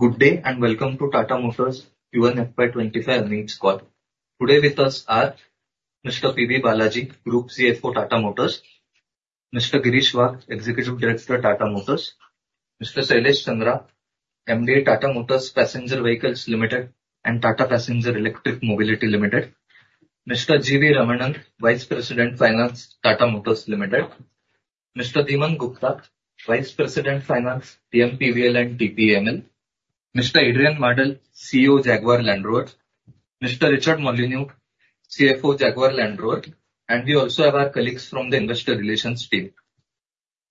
Good day, and welcome to Tata Motors Q1 FY25 Earnings Call. Today with us are Mr. P.B. Balaji, Group CFO, Tata Motors; Mr. Girish Wagh, Executive Director, Tata Motors; Mr. Shailesh Chandra, MD, Tata Motors Passenger Vehicles Limited and Tata Passenger Electric Mobility Limited; Mr. G.V. Ramanan, Vice President, Finance, Tata Motors Limited; Mr. Dhiman Gupta, Vice President, Finance, TMPVL and TPEML; Mr. Adrian Mardell, CEO, Jaguar Land Rover; Mr. Richard Molyneux, CFO, Jaguar Land Rover, and we also have our colleagues from the investor relations team.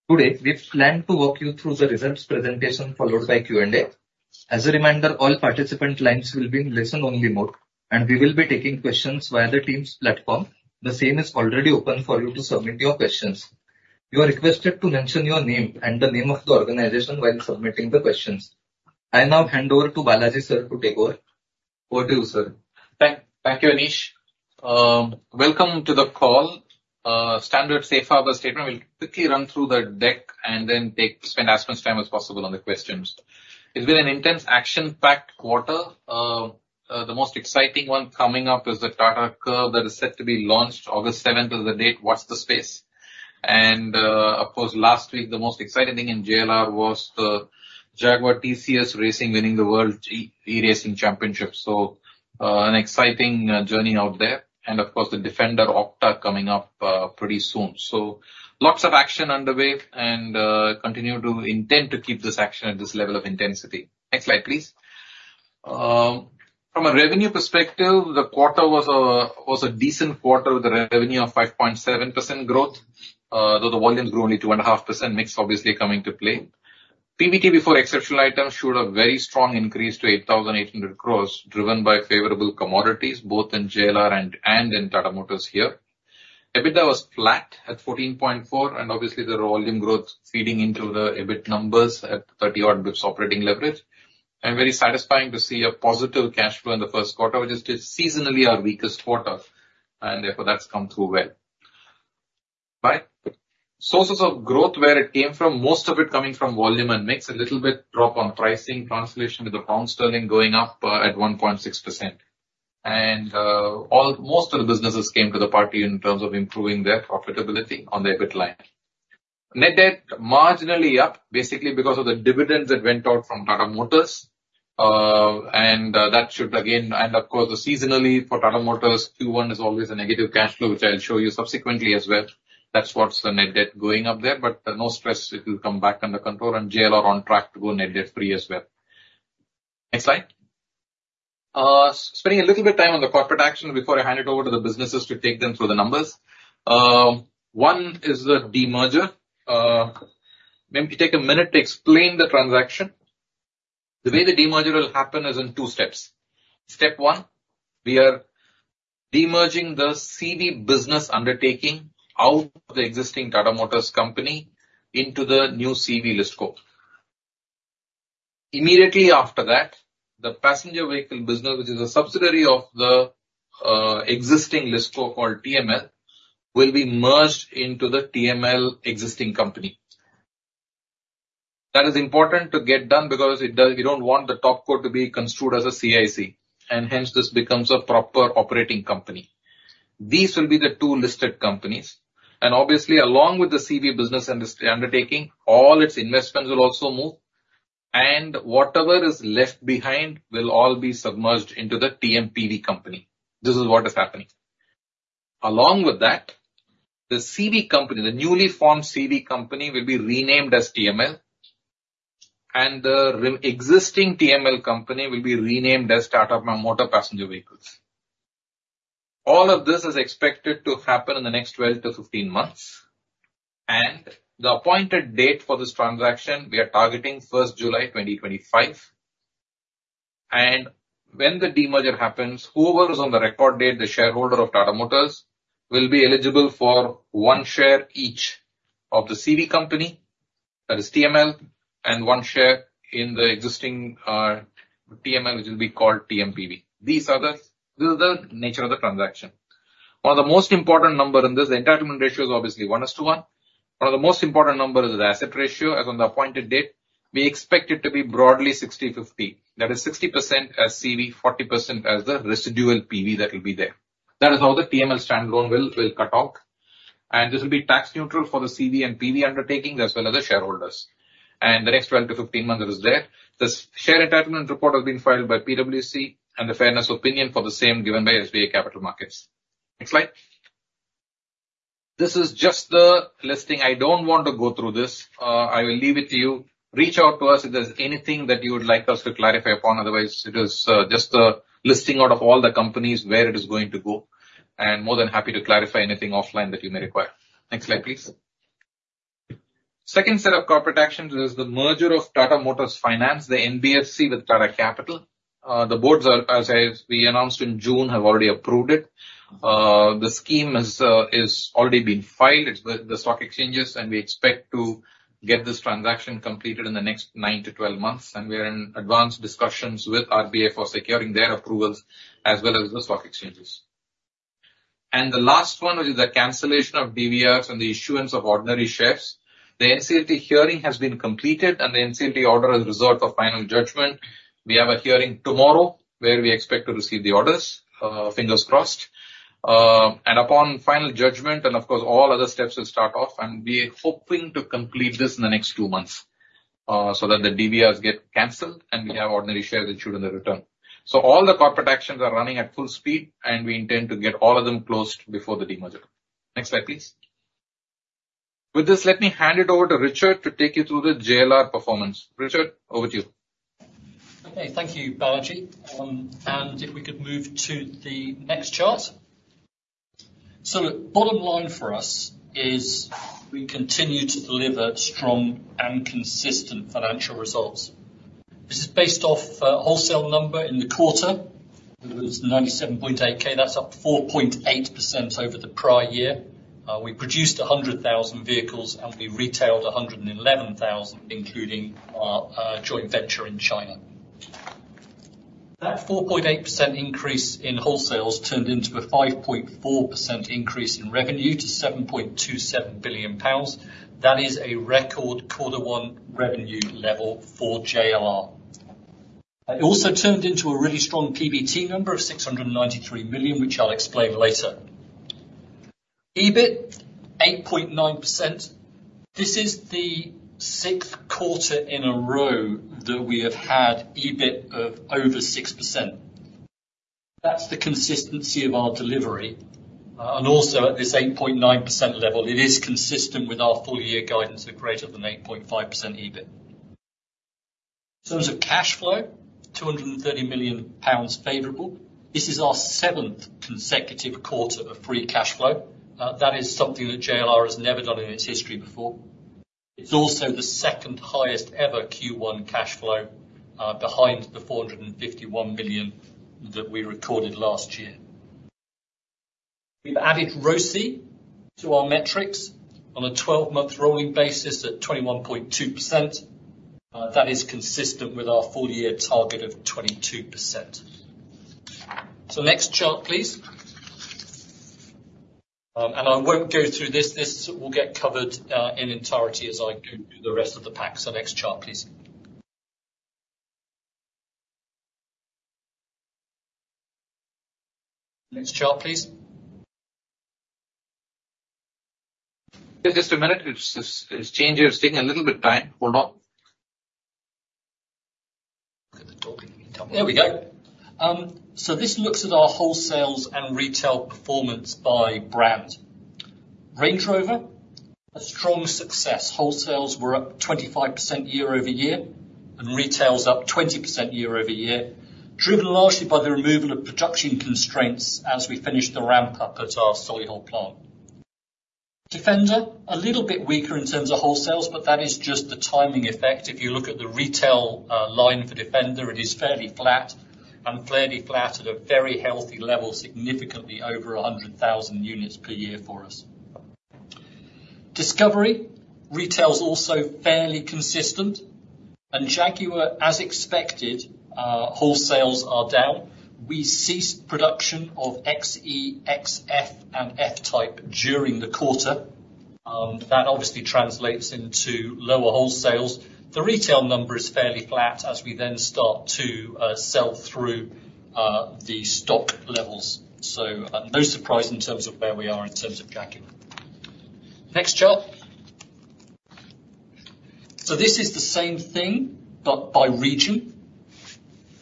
Today, we've planned to walk you through the results presentation, followed by Q&A. As a reminder, all participant lines will be in listen-only mode, and we will be taking questions via the Teams platform. The same is already open for you to submit your questions. You are requested to mention your name and the name of the organization while submitting the questions.I now hand over to Balaji, sir, to take over. Over to you, sir. Thank you, Anish. Welcome to the call. Standard safe harbor statement, we'll quickly run through the deck and then take, spend as much time as possible on the questions. It's been an intense, action-packed quarter. The most exciting one coming up is the Tata Curvv that is set to be launched. August seventh is the date. Watch this space. And, of course, last week, the most exciting thing in JLR was the Jaguar TCS Racing winning the Formula E World Championship. So, an exciting journey out there. And, of course, the Defender Octa coming up, pretty soon. So lots of action underway and continue to intend to keep this action at this level of intensity. Next slide, please. From a revenue perspective, the quarter was a decent quarter with a revenue of 5.7% growth, though the volume grew only 2.5%, mix obviously coming to play. PBT before exceptional items showed a very strong increase to 8,800 crore, driven by favorable commodities, both in JLR and in Tata Motors here. EBITDA was flat at 14.4%, and obviously, the volume growth feeding into the EBIT numbers at 30-odd basis points operating leverage. Very satisfying to see a positive cash flow in the first quarter, which is just seasonally our weakest quarter, and therefore, that's come through well. Right. Sources of growth, where it came from, most of it coming from volume and mix, a little bit drop on pricing, translation, with the pound sterling going up at 1.6%. Almost all of the businesses came to the party in terms of improving their profitability on the EBIT line. Net debt, marginally up, basically because of the dividends that went out from Tata Motors, and that should again... Of course, seasonally for Tata Motors, Q1 is always a negative cash flow, which I'll show you subsequently as well. That's what's the net debt going up there, but no stress, it will come back under control, and JLR are on track to go net debt free as well. Next slide. Spending a little bit time on the corporate action before I hand it over to the businesses to take them through the numbers. One is the demerger. Maybe take a minute to explain the transaction. The way the demerger will happen is in two steps. Step one, we are demerging the CV business undertaking out of the existing Tata Motors company into the new CV listed co. Immediately after that, the passenger vehicle business, which is a subsidiary of the existing listed co called TML, will be merged into the existing TML company. That is important to get done because we don't want the top co to be construed as a CIC, and hence, this becomes a proper operating company. These will be the two listed companies, and obviously, along with the CV business industry undertaking, all its investments will also move, and whatever is left behind will all be submerged into the TMPV company. This is what is happening. Along with that, the CV company, the newly formed CV company, will be renamed as TML, and the existing TML company will be renamed as Tata Motors Passenger Vehicles.All of this is expected to happen in the next 12-15 months, and the appointed date for this transaction, we are targeting July 1, 2025. When the demerger happens, whoever is on the record date, the shareholder of Tata Motors, will be eligible for one share each of the CV company, that is TML, and one share in the existing TML, which will be called TMPV. These are the, this is the nature of the transaction. One of the most important number in this entitlement ratio is obviously 1:1. One of the most important number is the asset ratio, as on the appointed date, we expect it to be broadly 60%, 40%. That is 60% as CV, 40% as the residual PV that will be there. That is how the TML standalone will, will cut out. This will be tax neutral for the CV and PV undertakings, as well as the shareholders. The next 12-15 months is there. This share entitlement report has been filed by PwC, and the fairness opinion for the same given by SBI Capital Markets. Next slide. This is just the listing. I don't want to go through this. I will leave it to you. Reach out to us if there's anything that you would like us to clarify upon. Otherwise, it is just a listing out of all the companies where it is going to go, and more than happy to clarify anything offline that you may require. Next slide, please. Second set of corporate actions is the merger of Tata Motors Finance, the NBFC, with Tata Capital. The boards, as we announced in June, have already approved it. The scheme is already been filed at the stock exchanges, and we expect to get this transaction completed in the next 9-12 months, and we are in advanced discussions with RBI for securing their approvals as well as the stock exchanges. The last one is the cancellation of DVRs and the issuance of ordinary shares. The NCLT hearing has been completed, and the NCLT order is reserved for final judgment. We have a hearing tomorrow, where we expect to receive the orders. Fingers crossed. And upon final judgment, and of course, all other steps will start off, and we are hoping to complete this in the next two months, so that the DVRs get canceled, and we have ordinary shares issued in the return. So all the corporate actions are running at full speed, and we intend to get all of them closed before the demerger. Next slide, please. With this, let me hand it over to Richard to take you through the JLR performance. Richard, over to you. Okay. Thank you, Balaji. If we could move to the next chart. So bottom line for us is we continue to deliver strong and consistent financial results. This is based off wholesale number in the quarter. It was 97.8K. That's up 4.8% over the prior year. We produced 100,000 vehicles, and we retailed 111,000, including our joint venture in China. That 4.8% increase in wholesales turned into a 5.4% increase in revenue to 7.27 billion pounds. That is a record Q1 revenue level for JLR. It also turned into a really strong PBT number of 693 million, which I'll explain later. EBIT 8.9%.This is the 6th quarter in a row that we have had EBIT of over 6%. That's the consistency of our delivery, and also at this 8.9% level, it is consistent with our full-year guidance of greater than 8.5% EBIT. In terms of cash flow, 230 million pounds favorable. This is our 7th consecutive quarter of free cash flow. That is something that JLR has never done in its history before. It's also the 2nd highest ever Q1 cash flow, behind the 451 million that we recorded last year. We've added ROCE to our metrics on a 12-month rolling basis at 21.2%. That is consistent with our full-year target of 22%. So next chart, please. And I won't go through this. This will get covered, in entirety as I do the rest of the pack. So next chart, please. Next chart, please. Just a minute. It's changing. It's taking a little bit time. Hold on. There we go. So this looks at our wholesales and retail performance by brand. Range Rover, a strong success. Wholesales were up 25% year-over-year, and retail's up 20% year-over-year, driven largely by the removal of production constraints as we finished the ramp-up at our Solihull plant. Defender, a little bit weaker in terms of wholesales, but that is just the timing effect. If you look at the retail line for Defender, it is fairly flat and fairly flat at a very healthy level, significantly over 100,000 units per year for us. Discovery, retail is also fairly consistent, and Jaguar, as expected, wholesales are down. We ceased production of XE, XF, and F-type during the quarter, and that obviously translates into lower wholesales. The retail number is fairly flat as we then start to sell through the stock levels. So, no surprise in terms of where we are in terms of Jaguar. Next chart. So this is the same thing, but by region.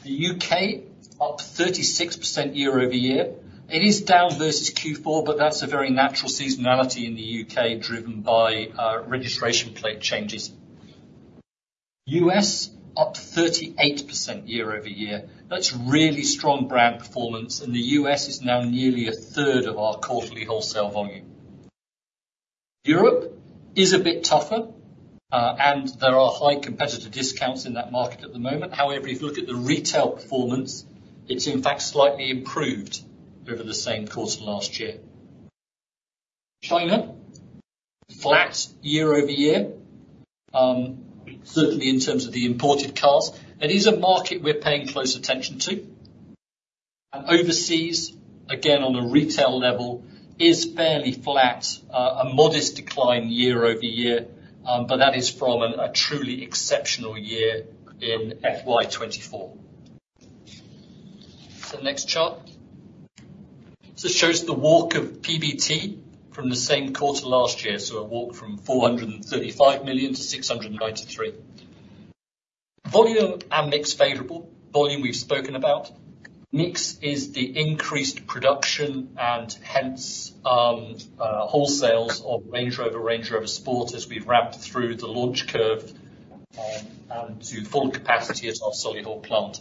The U.K., up 36% year-over-year. It is down versus Q4, but that's a very natural seasonality in the U.K., driven by registration plate changes. U.S., up 38% year-over-year. That's really strong brand performance, and the U.S. is now nearly a third of our quarterly wholesale volume. Europe is a bit tougher, and there are high competitor discounts in that market at the moment. However, if you look at the retail performance, it's in fact slightly improved over the same quarter last year. China, flat year-over-year, certainly in terms of the imported cars. It is a market we're paying close attention to. And overseas, again, on a retail level, is fairly flat. A modest decline year over year, but that is from a truly exceptional year in FY 2024. Next chart. It shows the walk of PBT from the same quarter last year, so a walk from 435 million-693 million. Volume and mix favorable. Volume, we've spoken about. Mix is the increased production and hence, wholesales of Range Rover, Range Rover Sport, as we've wrapped through the launch curve, and to full capacity at our Solihull plant.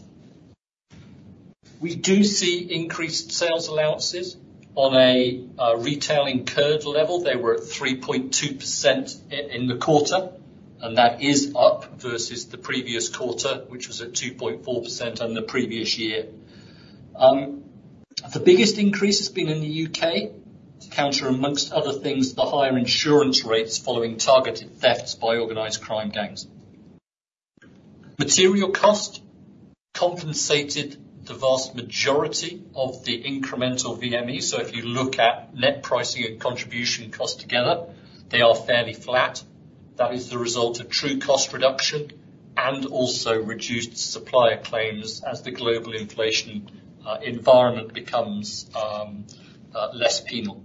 We do see increased sales allowances on a retail incurred level. They were at 3.2% in the quarter, and that is up versus the previous quarter, which was at 2.4% on the previous year. The biggest increase has been in the U.K. to counter, among other things, the higher insurance rates following targeted thefts by organized crime gangs. Material cost compensated the vast majority of the incremental VME. So if you look at net pricing and contribution cost together, they are fairly flat. That is the result of true cost reduction and also reduced supplier claims as the global inflation environment becomes less penal.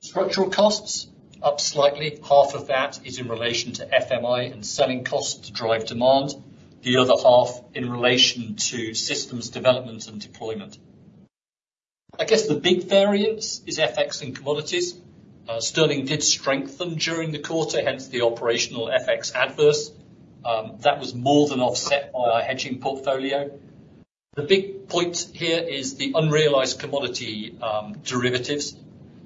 Structural costs, up slightly. Half of that is in relation to FMI and selling costs to drive demand, the other half in relation to systems development and deployment. I guess, the big variance is FX and commodities. Sterling did strengthen during the quarter, hence the operational FX adverse. That was more than offset by our hedging portfolio. The big point here is the unrealized commodity derivatives.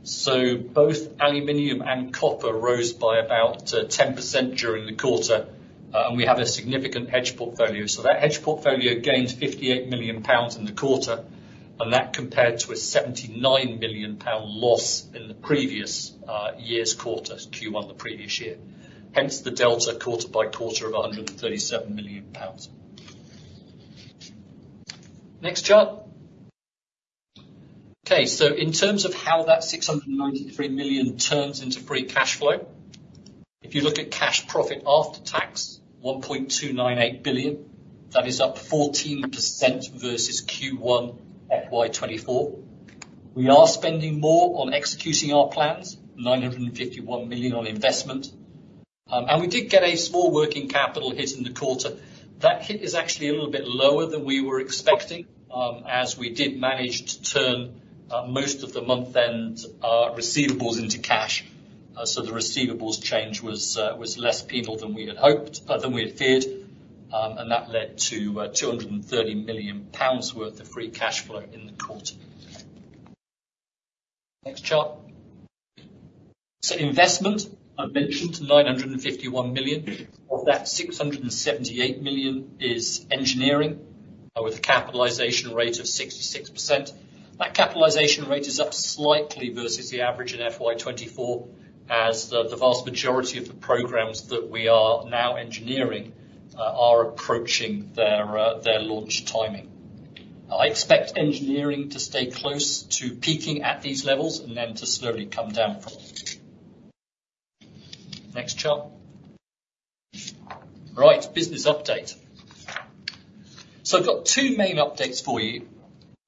So both aluminum and copper rose by about 10% during the quarter, and we have a significant hedge portfolio. So that hedge portfolio gained 58 million pounds in the quarter, and that compared to a 79 million pound loss in the previous year's quarter, Q1 the previous year, hence the delta quarter by quarter of 137 million pounds. Next chart. Okay, so in terms of how that 693 million turns into free cash flow, if you look at cash profit after tax, 1.298 billion, that is up 14% versus Q1 FY 2024. We are spending more on executing our plans, 951 million on investment, and we did get a small working capital hit in the quarter. That hit is actually a little bit lower than we were expecting, as we did manage to turn most of the month-end receivables into cash. So the receivables change was less penal than we had hoped, than we had feared. And that led to 230 million pounds worth of free cash flow in the quarter. Next chart. So investment, I mentioned, 951 million. Of that, 678 million is engineering, with a capitalization rate of 66%. That capitalization rate is up slightly versus the average in FY 2024, as the vast majority of the programs that we are now engineering are approaching their launch timing. I expect engineering to stay close to peaking at these levels, and then to slowly come down from. Next chart. Right. Business update. So I've got two main updates for you.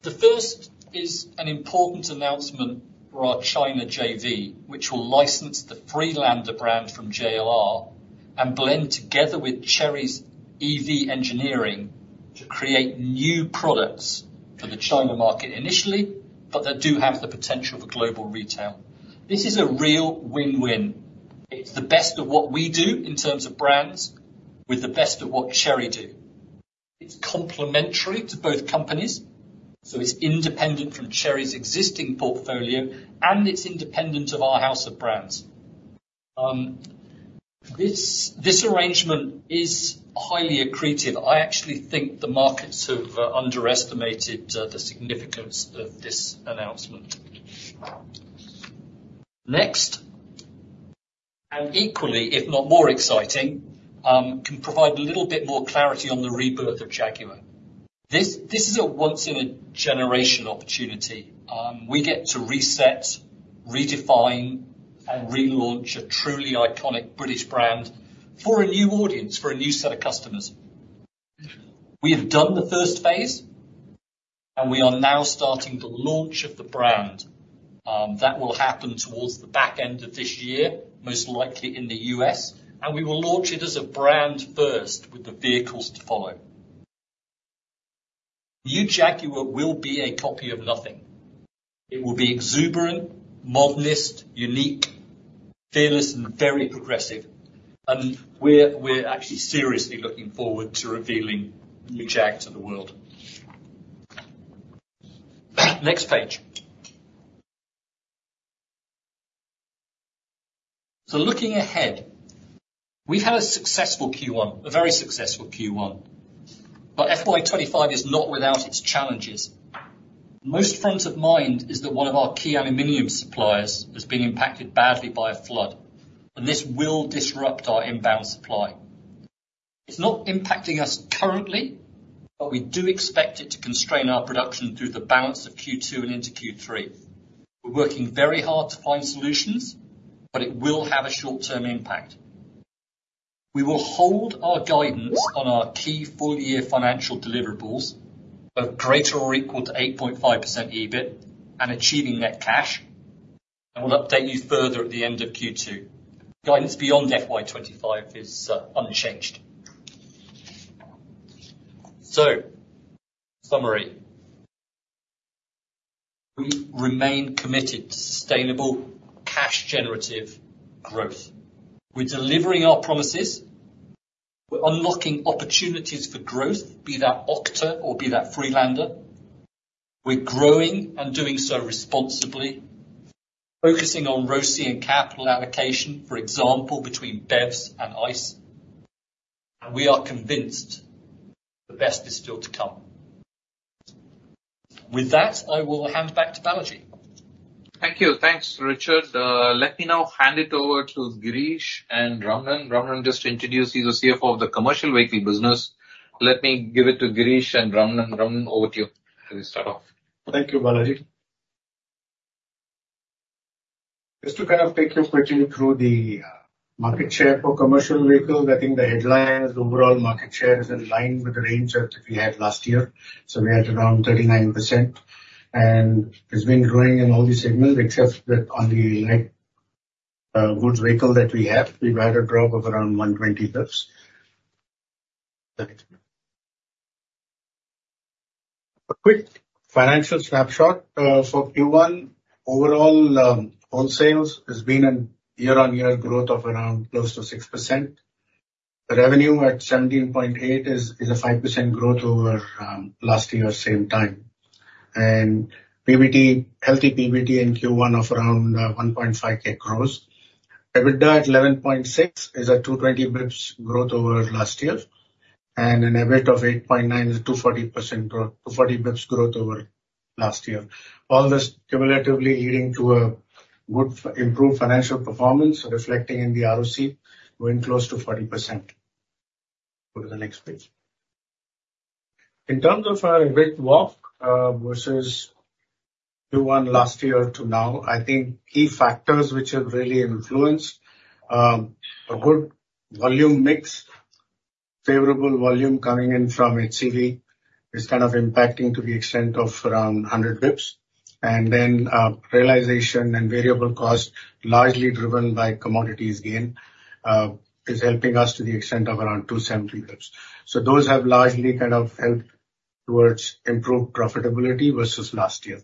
The first is an important announcement for our China JV, which will license the Freelander brand from JLR, and blend together with Chery's EV engineering to create new products for the China market initially, but that do have the potential for global retail. This is a real win-win. It's the best of what we do in terms of brands, with the best of what Chery do. It's complementary to both companies, so it's independent from Chery's existing portfolio, and it's independent of our house of brands. This, this arrangement is highly accretive. I actually think the markets have underestimated the significance of this announcement. Next. Equally, if not more exciting, can provide a little bit more clarity on the rebirth of Jaguar. This, this is a once-in-a-generation opportunity. We get to reset, redefine, and relaunch a truly iconic British brand for a new audience, for a new set of customers. We have done the first phase, and we are now starting the launch of the brand. That will happen towards the back end of this year, most likely in the U.S., and we will launch it as a brand first, with the vehicles to follow. New Jaguar will be a copy of nothing. It will be exuberant, modernist, unique, fearless, and very progressive. And we're, we're actually seriously looking forward to revealing new Jag to the world. Next page. So looking ahead, we've had a successful Q1, a very successful Q1, but FY25 is not without its challenges. Most front of mind is that one of our key aluminum suppliers has been impacted badly by a flood, and this will disrupt our inbound supply.It's not impacting us currently, but we do expect it to constrain our production through the balance of Q2 and into Q3. We're working very hard to find solutions, but it will have a short-term impact. We will hold our guidance on our key full-year financial deliverables of greater or equal to 8.5% EBIT and achieving net cash, and we'll update you further at the end of Q2. Guidance beyond FY 2025 is unchanged. So summary: We remain committed to sustainable cash-generative growth. We're delivering our promises. We're unlocking opportunities for growth, be that Octa or be that Freelander. We're growing and doing so responsibly, focusing on ROCE and capital allocation, for example, between BEVs and ICE, and we are convinced the best is still to come.... With that, I will hand back to Balaji. Thank you. Thanks, Richard. Let me now hand it over to Girish and Ramanan. Ramanan, just to introduce, he's the CFO of the Commercial Vehicle business. Let me give it to Girish and Ramanan. Ramanan, over to you, as you start off. Thank you, Balaji. Just to kind of take you quickly through the market share for commercial vehicles, I think the headlines, the overall market share is in line with the range that we had last year, so we're at around 39%. And it's been growing in all the segments, except that on the light goods vehicle that we have, we've had a drop of around 120 basis points. Next. A quick financial snapshot for Q1. Overall, wholesales has been a year-over-year growth of around close to 6%. Revenue at 17,800 crore is a 5% growth over last year's same time. And PBT, healthy PBT in Q1 of around 1,500 crore. EBITDA at 11.6 is at 220 basis points growth over last year, and an EBIT of 8.9 is 240% growth, 240 basis points growth over last year. All this cumulatively leading to a good improved financial performance, reflecting in the ROC, going close to 40%. Go to the next page. In terms of our EBIT walk versus Q1 last year to now, I think key factors which have really influenced a good volume mix, favorable volume coming in from HCV is kind of impacting to the extent of around 100 basis points. And then, realization and variable cost, largely driven by commodities gain, is helping us to the extent of around 270 basis points. So those have largely kind of helped towards improved profitability versus last year.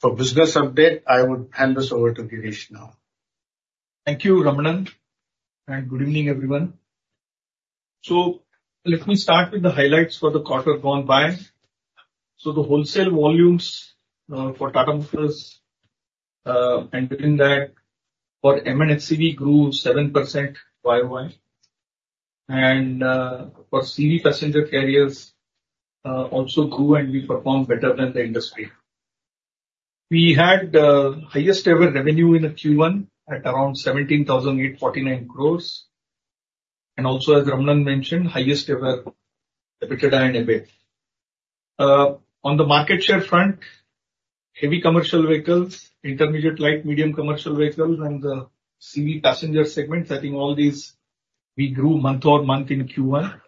For business update, I would hand this over to Girish now. Thank you, Ramanan, and good evening, everyone. So let me start with the highlights for the quarter gone by. So the wholesale volumes for Tata Motors, and within that, for M&HCV, grew 7% YoY, and for CV passenger carriers also grew, and we performed better than the industry. We had highest ever revenue in the Q1 at around 17,849 crores, and also, as Ramanan mentioned, highest ever EBITDA and EBIT. On the market share front, heavy commercial vehicles, intermediate light, medium commercial vehicles, and the CV passenger segments, I think all these we grew month-over-month in Q1,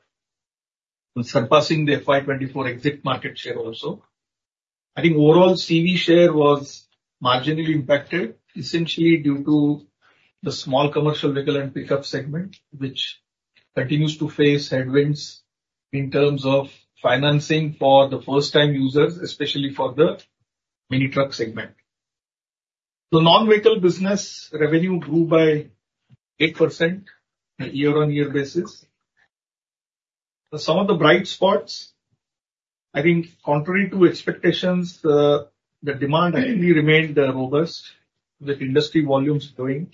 surpassing the FY 2024 exit market share also.I think overall, CV share was marginally impacted, essentially due to the small commercial vehicle and pickup segment, which continues to face headwinds in terms of financing for the first-time users, especially for the mini truck segment. The non-vehicle business revenue grew by 8% year-on-year basis. Some of the bright spots, I think contrary to expectations, the demand actually remained robust, with industry volumes growing.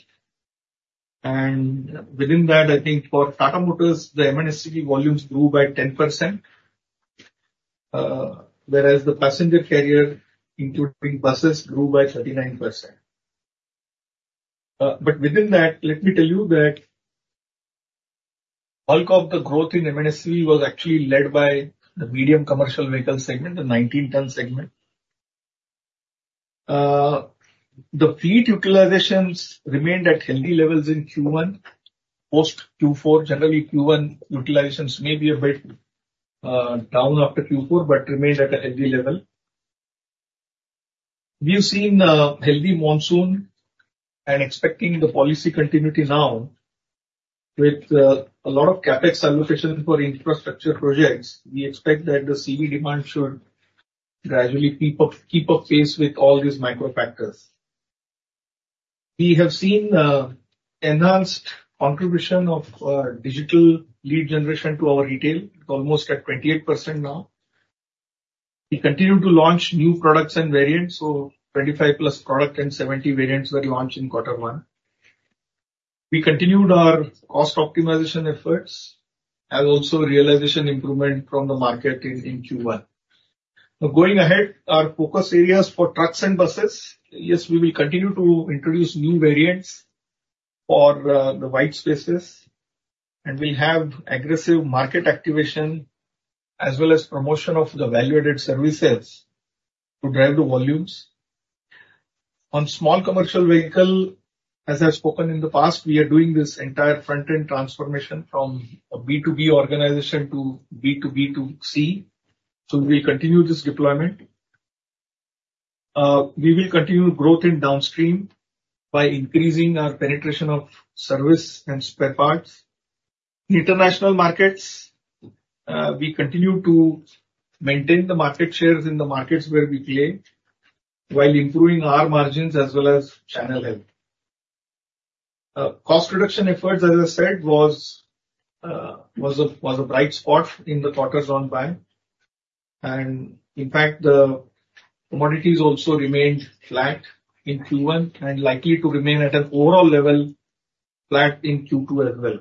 And within that, I think for Tata Motors, the M&HCV volumes grew by 10%, whereas the passenger carrier, including buses, grew by 39%. But within that, let me tell you that bulk of the growth in M&HCV was actually led by the medium commercial vehicle segment, the 19-ton segment. The fleet utilizations remained at healthy levels in Q1. Post Q4, generally, Q1 utilizations may be a bit down after Q4, but remains at a healthy level. We have seen a healthy monsoon and expecting the policy continuity now. With a lot of CapEx allocation for infrastructure projects, we expect that the CV demand should gradually keep up, keep up pace with all these macro factors. We have seen enhanced contribution of digital lead generation to our retail, almost at 28% now. We continue to launch new products and variants, so 25+ product and 70 variants were launched in quarter one. We continued our cost optimization efforts and also realization improvement from the market in Q1. Now, going ahead, our focus areas for trucks and buses, yes, we will continue to introduce new variants for the white spaces, and we'll have aggressive market activation, as well as promotion of the value-added services to drive the volumes. On small commercial vehicle, as I've spoken in the past, we are doing this entire front-end transformation from a B2B organization to B2B2C, so we continue this deployment. We will continue growth in downstream by increasing our penetration of service and spare parts. In international markets, we continue to maintain the market shares in the markets where we play, while improving our margins as well as channel health. Cost reduction efforts, as I said, was a bright spot in the quarter gone by. In fact, the commodities also remained flat in Q1, and likely to remain at an overall level, flat in Q2 as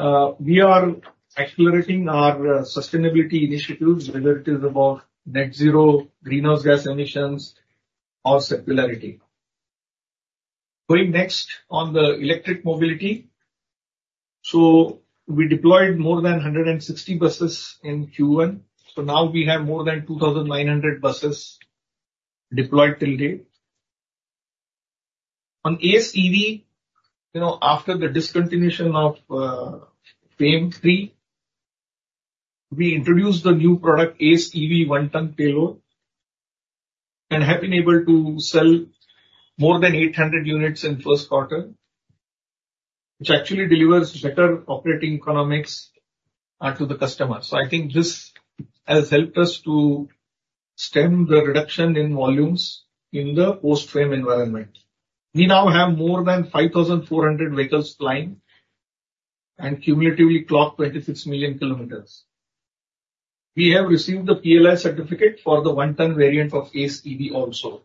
well. We are accelerating our sustainability initiatives, whether it is about net zero greenhouse gas emissions or circularity. Going next on the electric mobility. So we deployed more than 160 buses in Q1, so now we have more than 2,900 buses deployed till date. On Ace EV, you know, after the discontinuation of FAME II, we introduced the new product, Ace EV one-tonne payload, and have been able to sell more than 800 units in first quarter, which actually delivers better operating economics to the customer. So I think this has helped us to stem the reduction in volumes in the post-FAME environment. We now have more than 5,400 vehicles plying, and cumulatively clocked 26 million km. We have received the PLI certificate for the one-tonne variant of Ace EV also.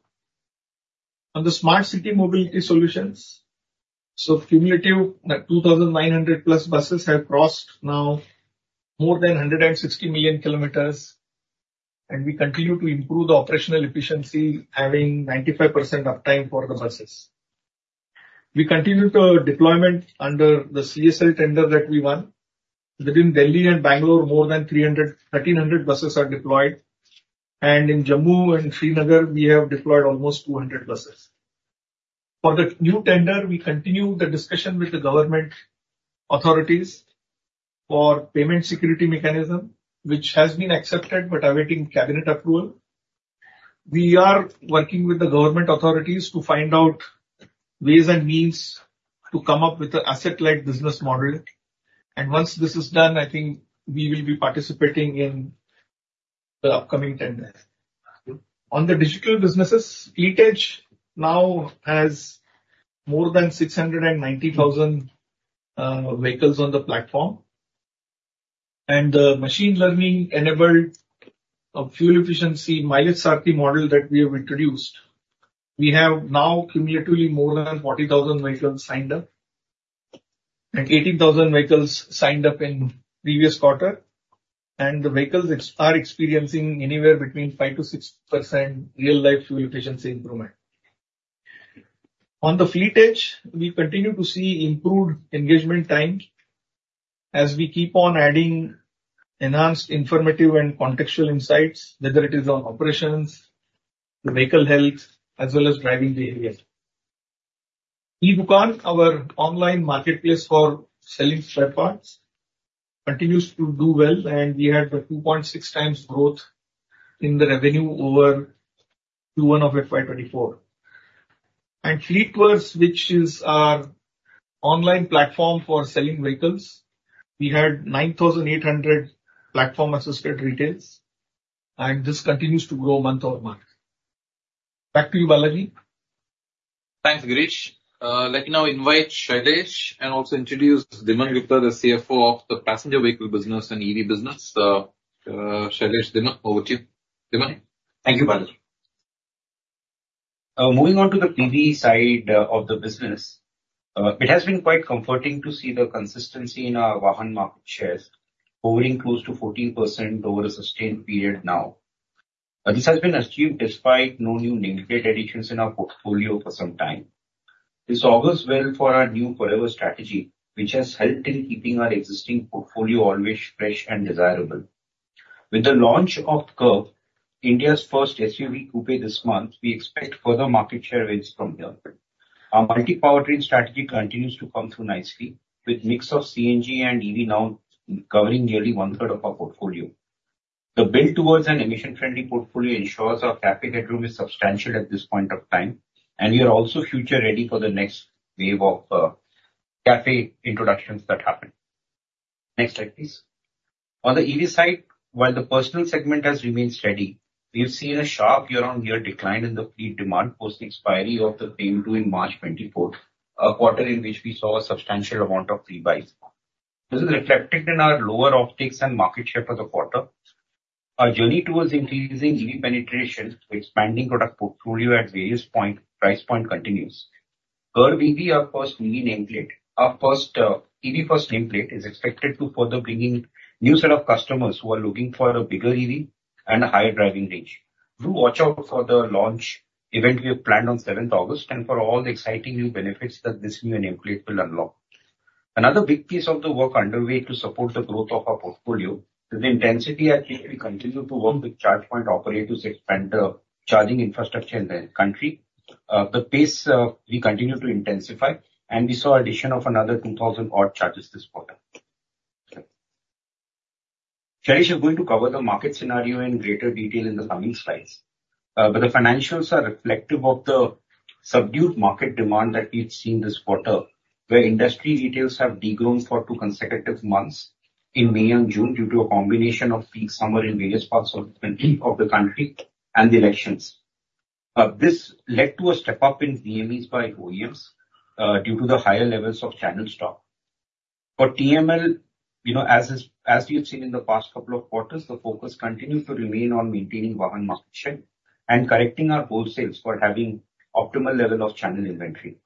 On the smart city mobility solutions, so cumulative, the 2,900+ buses have crossed now more than 160 million km, and we continue to improve the operational efficiency, having 95% uptime for the buses. We continue the deployment under the CESL tender that we won. Between Delhi and Bangalore, more than 1,300 buses are deployed, and in Jammu and Srinagar, we have deployed almost 200 buses. For the new tender, we continue the discussion with the government authorities for payment security mechanism, which has been accepted, but awaiting cabinet approval. We are working with the government authorities to find out ways and means to come up with an asset-light business model, and once this is done, I think we will be participating in the upcoming tenders. On the digital businesses, FleetEdge now has more than 690,000 vehicles on the platform, and the machine learning-enabled fuel efficiency mileage MP model that we have introduced, we have now cumulatively more than 40,000 vehicles signed up, and 18,000 vehicles signed up in previous quarter. And the vehicles are experiencing anywhere between 5%-6% real-life fuel efficiency improvement. On the FleetEdge, we continue to see improved engagement time as we keep on adding enhanced informative and contextual insights, whether it is on operations, the vehicle health, as well as driving behavior. e-Dukaan, our online marketplace for selling spare parts, continues to do well, and we had a 2.6x growth in the revenue over Q1 of FY 2024.Fleetverse, which is our online platform for selling vehicles, we had 9,800 platform-assisted retails, and this continues to grow month-over-month. Back to you, Balaji. Thanks, Girish. Let me now invite Shailesh and also introduce Dhiman Gupta, the CFO of the passenger vehicle business and EV business. Shailesh, Dhiman, over to you. Dhiman? Thank you, Balaji. Moving on to the PV side of the business, it has been quite comforting to see the consistency in our vehicle market shares, hovering close to 14% over a sustained period now. This has been achieved despite no new nameplate additions in our portfolio for some time. This augurs well for our new Forever strategy, which has helped in keeping our existing portfolio always fresh and desirable. With the launch of Curvv, India's first SUV coupe this month, we expect further market share wins from here. Our multi-powertrain strategy continues to come through nicely, with mix of CNG and EV now covering nearly one-third of our portfolio. The build towards an emission-friendly portfolio ensures our CAFE headroom is substantial at this point of time, and we are also future-ready for the next wave of CAFE introductions that happen. Next slide, please. On the EV side, while the personal segment has remained steady, we have seen a sharp year-on-year decline in the fleet demand, post the expiry of the FAME II in March 2024, a quarter in which we saw a substantial amount of fleet buys. This is reflected in our lower offtakes and market share for the quarter. Our journey towards increasing EV penetration through expanding product portfolio at various point, price point continues. Curvv will be our first EV nameplate. Our first, EV first nameplate is expected to further bring in new set of customers who are looking for a bigger EV and a higher driving range. Do watch out for the launch event we have planned on August 7, and for all the exciting new benefits that this new nameplate will unlock. Another big piece of the work underway to support the growth of our portfolio is the intensity at which we continue to work with charge point operators to expand the charging infrastructure in the country. The pace we continue to intensify, and we saw addition of another 2,000 odd charges this quarter. Shailesh is going to cover the market scenario in greater detail in the coming slides, but the financials are reflective of the subdued market demand that we've seen this quarter, where industry retails have de-grown for two consecutive months in May and June, due to a combination of peak summer in various parts of the country and the elections. This led to a step up in VMEs by OEMs, due to the higher levels of channel stock. For TML-... You know, as is, as you've seen in the past couple of quarters, the focus continued to remain on maintaining van market share and correcting our wholesales for having optimal level of channel inventory.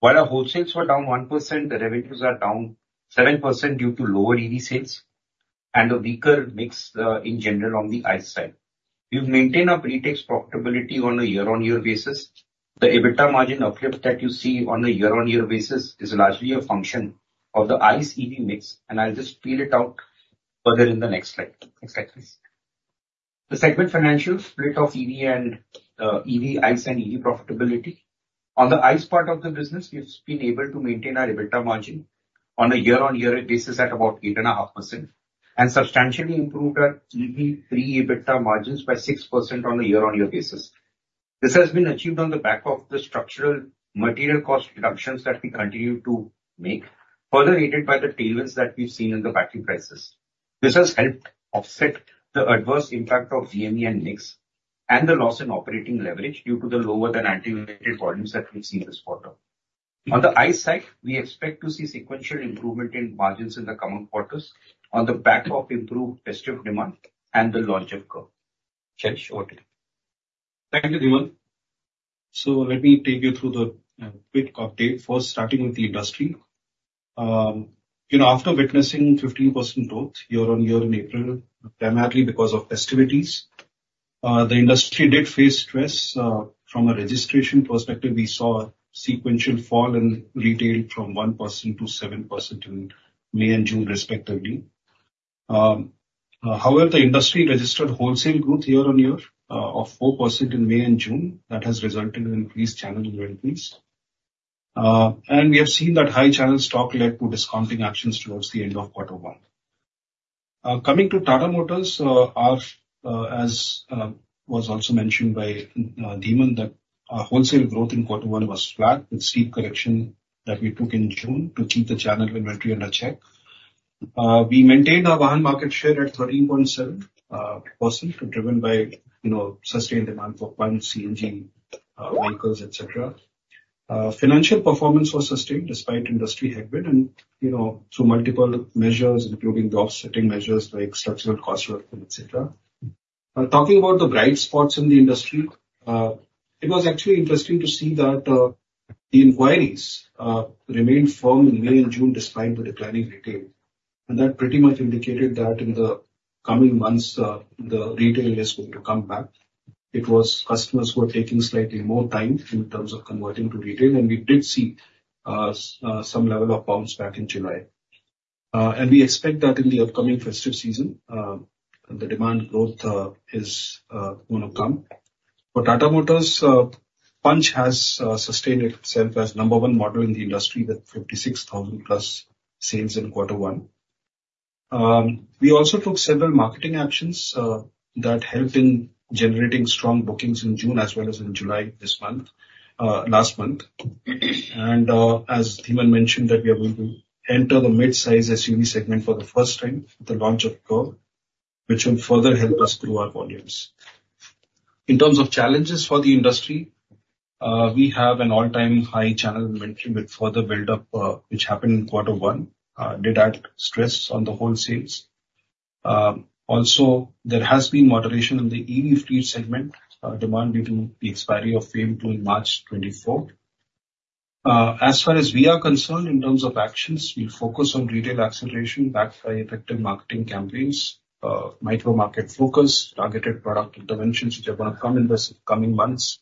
While our wholesales were down 1%, the revenues are down 7% due to lower EV sales and a weaker mix, in general, on the ICE side. We've maintained our pre-tax profitability on a year-on-year basis. The EBITDA margin uplift that you see on a year-on-year basis is largely a function of the ICE EV mix, and I'll just spell it out further in the next slide. Next slide, please. The segment financial split of EV and EV, ICE and EV profitability. On the ICE part of the business, we've been able to maintain our EBITDA margin on a year-on-year basis at about 8.5%, and substantially improved our EV pre-EBITDA margins by 6% on a year-on-year basis. This has been achieved on the back of the structural material cost reductions that we continue to make, further aided by the tailwinds that we've seen in the battery prices. This has helped offset the adverse impact of VME and mix, and the loss in operating leverage due to the lower than anticipated volumes that we've seen this quarter. On the ICE side, we expect to see sequential improvement in margins in the coming quarters on the back of improved festive demand and the launch of Curvv. Shailesh, over to you. Thank you, Dhiman. Let me take you through the quick update, first starting with the industry. You know, after witnessing 15% growth year-on-year in April, primarily because of festivities, the industry did face stress from a registration perspective. We saw a sequential fall in retail from 1%-7% in May and June, respectively. However, the industry registered wholesale growth year-on-year of 4% in May and June. That has resulted in increased channel inventories. And we have seen that high channel stock led to discounting actions towards the end of quarter one. Coming to Tata Motors, our, as was also mentioned by Dhiman, that our wholesale growth in quarter one was flat, with steep correction that we took in June to keep the channel inventory under check. We maintained our van market share at 13.7%, driven by, you know, sustained demand for Punch, CNG vehicles, et cetera. Financial performance was sustained despite industry headwind and, you know, through multiple measures, including offsetting measures like structural cost reduction, et cetera. Talking about the bright spots in the industry, it was actually interesting to see that the inquiries remained firm in May and June, despite the declining retail. And that pretty much indicated that in the coming months the retail is going to come back. It was customers were taking slightly more time in terms of converting to retail, and we did see some level of bounce back in July. And we expect that in the upcoming festive season the demand growth is gonna come. For Tata Motors, Punch has sustained itself as number one model in the industry, with 56,000+ sales in quarter one. We also took several marketing actions that helped in generating strong bookings in June as well as in July, this month, last month. And, as Dhiman mentioned, that we are going to enter the mid-size SUV segment for the first time with the launch of Curvv, which will further help us grow our volumes. In terms of challenges for the industry, we have an all-time high channel inventory with further buildup, which happened in quarter one, did add stress on the wholesales. Also, there has been moderation in the EV fleet segment demand due to the expiry of FAME II in March 2024. As far as we are concerned, in terms of actions, we'll focus on retail acceleration backed by effective marketing campaigns, micro market focus, targeted product interventions, which are gonna come in the coming months.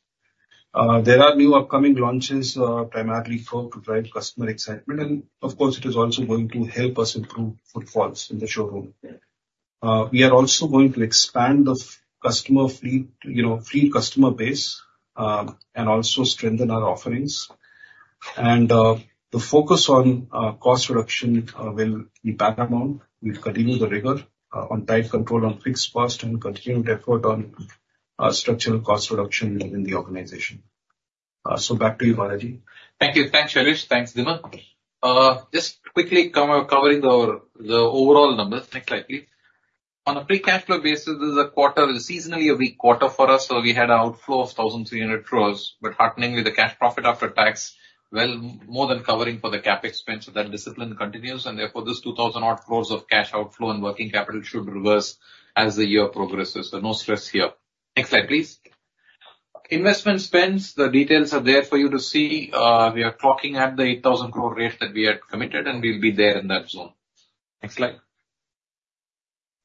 There are new upcoming launches, primarily for to drive customer excitement, and of course, it is also going to help us improve footfalls in the showroom. We are also going to expand the customer fleet, you know, fleet customer base, and also strengthen our offerings. The focus on cost reduction will be paramount. We'll continue the rigor on tight control on fixed cost and continued effort on structural cost reduction within the organization. So back to you, Balaji. Thank you. Thanks, Suresh. Thanks, Dhiman. Just quickly covering the overall numbers. Next slide, please. On a free cash flow basis, this is a quarter, seasonally a weak quarter for us, so we had an outflow of 1,300 crore, but hearteningly, the cash profit after tax well more than covering for the CapEx spend, so that discipline continues, and therefore, this 2,000-odd crore of cash outflow and working capital should reverse as the year progresses, so no stress here. Next slide, please. Investment spends, the details are there for you to see. We are talking at the 8,000 crore rate that we had committed, and we'll be there in that zone. Next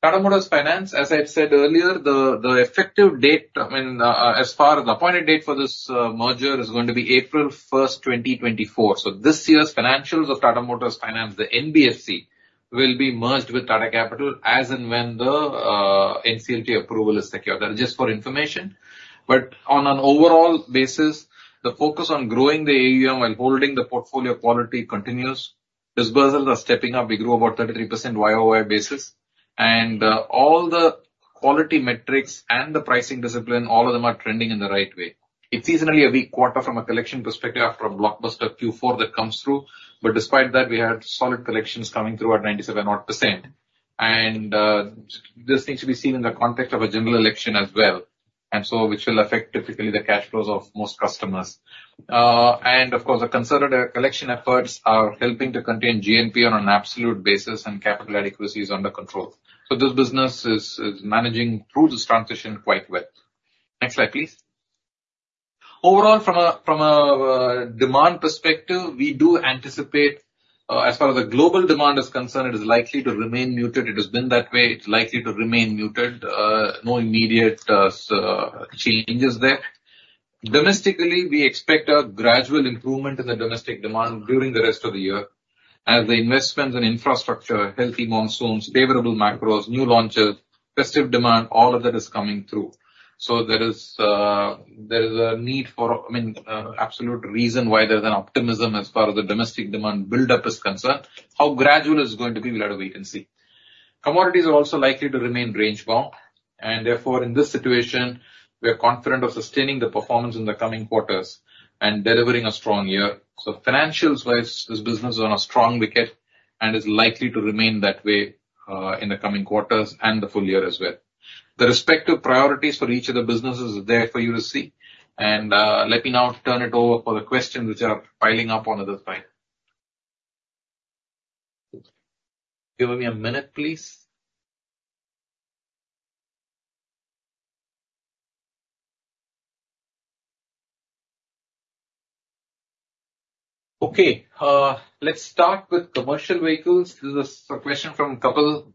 slide. Tata Motors Finance, as I had said earlier, the effective date, I mean, as far as the appointed date for this merger is going to be April first, 2024. So this year's financials of Tata Motors Finance, the NBFC, will be merged with Tata Capital as and when the NCLT approval is secured. That is just for information. But on an overall basis, the focus on growing the AUM while holding the portfolio quality continues. Disbursals are stepping up. We grew about 33% YoY basis, and all the quality metrics and the pricing discipline, all of them are trending in the right way. It's seasonally a weak quarter from a collection perspective after a blockbuster Q4 that comes through, but despite that, we had solid collections coming through at 97%-odd. This needs to be seen in the context of a general election as well. And so which will affect typically the cash flows of most customers. And of course, the consolidated collection efforts are helping to contain GNPA on an absolute basis, and capital adequacy is under control. So this business is managing through this transition quite well. Next slide, please. Overall, from a demand perspective, we do anticipate, as far as the global demand is concerned, it is likely to remain muted. It has been that way. It's likely to remain muted, no immediate changes there. Domestically, we expect a gradual improvement in the domestic demand during the rest of the year as the investments in infrastructure, healthy monsoons, favorable macros, new launches, festive demand, all of that is coming through. So there is, there is a need for, I mean, absolute reason why there's an optimism as far as the domestic demand buildup is concerned. How gradual it's going to be, well, we can see. Commodities are also likely to remain range-bound, and therefore, in this situation, we are confident of sustaining the performance in the coming quarters and delivering a strong year. So financials-wise, this business is on a strong wicket and is likely to remain that way, in the coming quarters and the full year as well. The respective priorities for each of the businesses is there for you to see. And, let me now turn it over for the questions which are piling up on at this time. Give me a minute, please. Okay, let's start with commercial vehicles. This is a question from Kapil,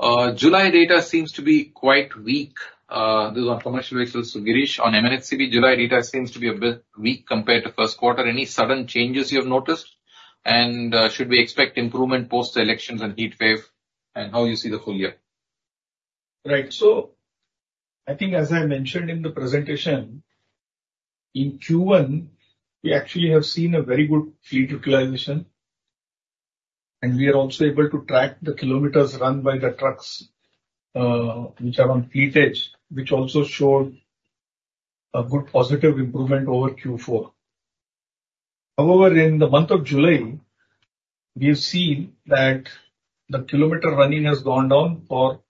Nuvama.July data seems to be quite weak." This is on commercial vehicles, so Girish, on M&HCV, July data seems to be a bit weak compared to first quarter. Any sudden changes you have noticed? And should we expect improvement post-elections and heat wave, and how you see the full year? Right. So I think as I mentioned in the presentation, in Q1, we actually have seen a very good fleet utilization, and we are also able to track the kilometers run by the trucks, which are on FleetEdge, which also showed a good positive improvement over Q4. However, in the month of July, we've seen that the kilometer running has gone down for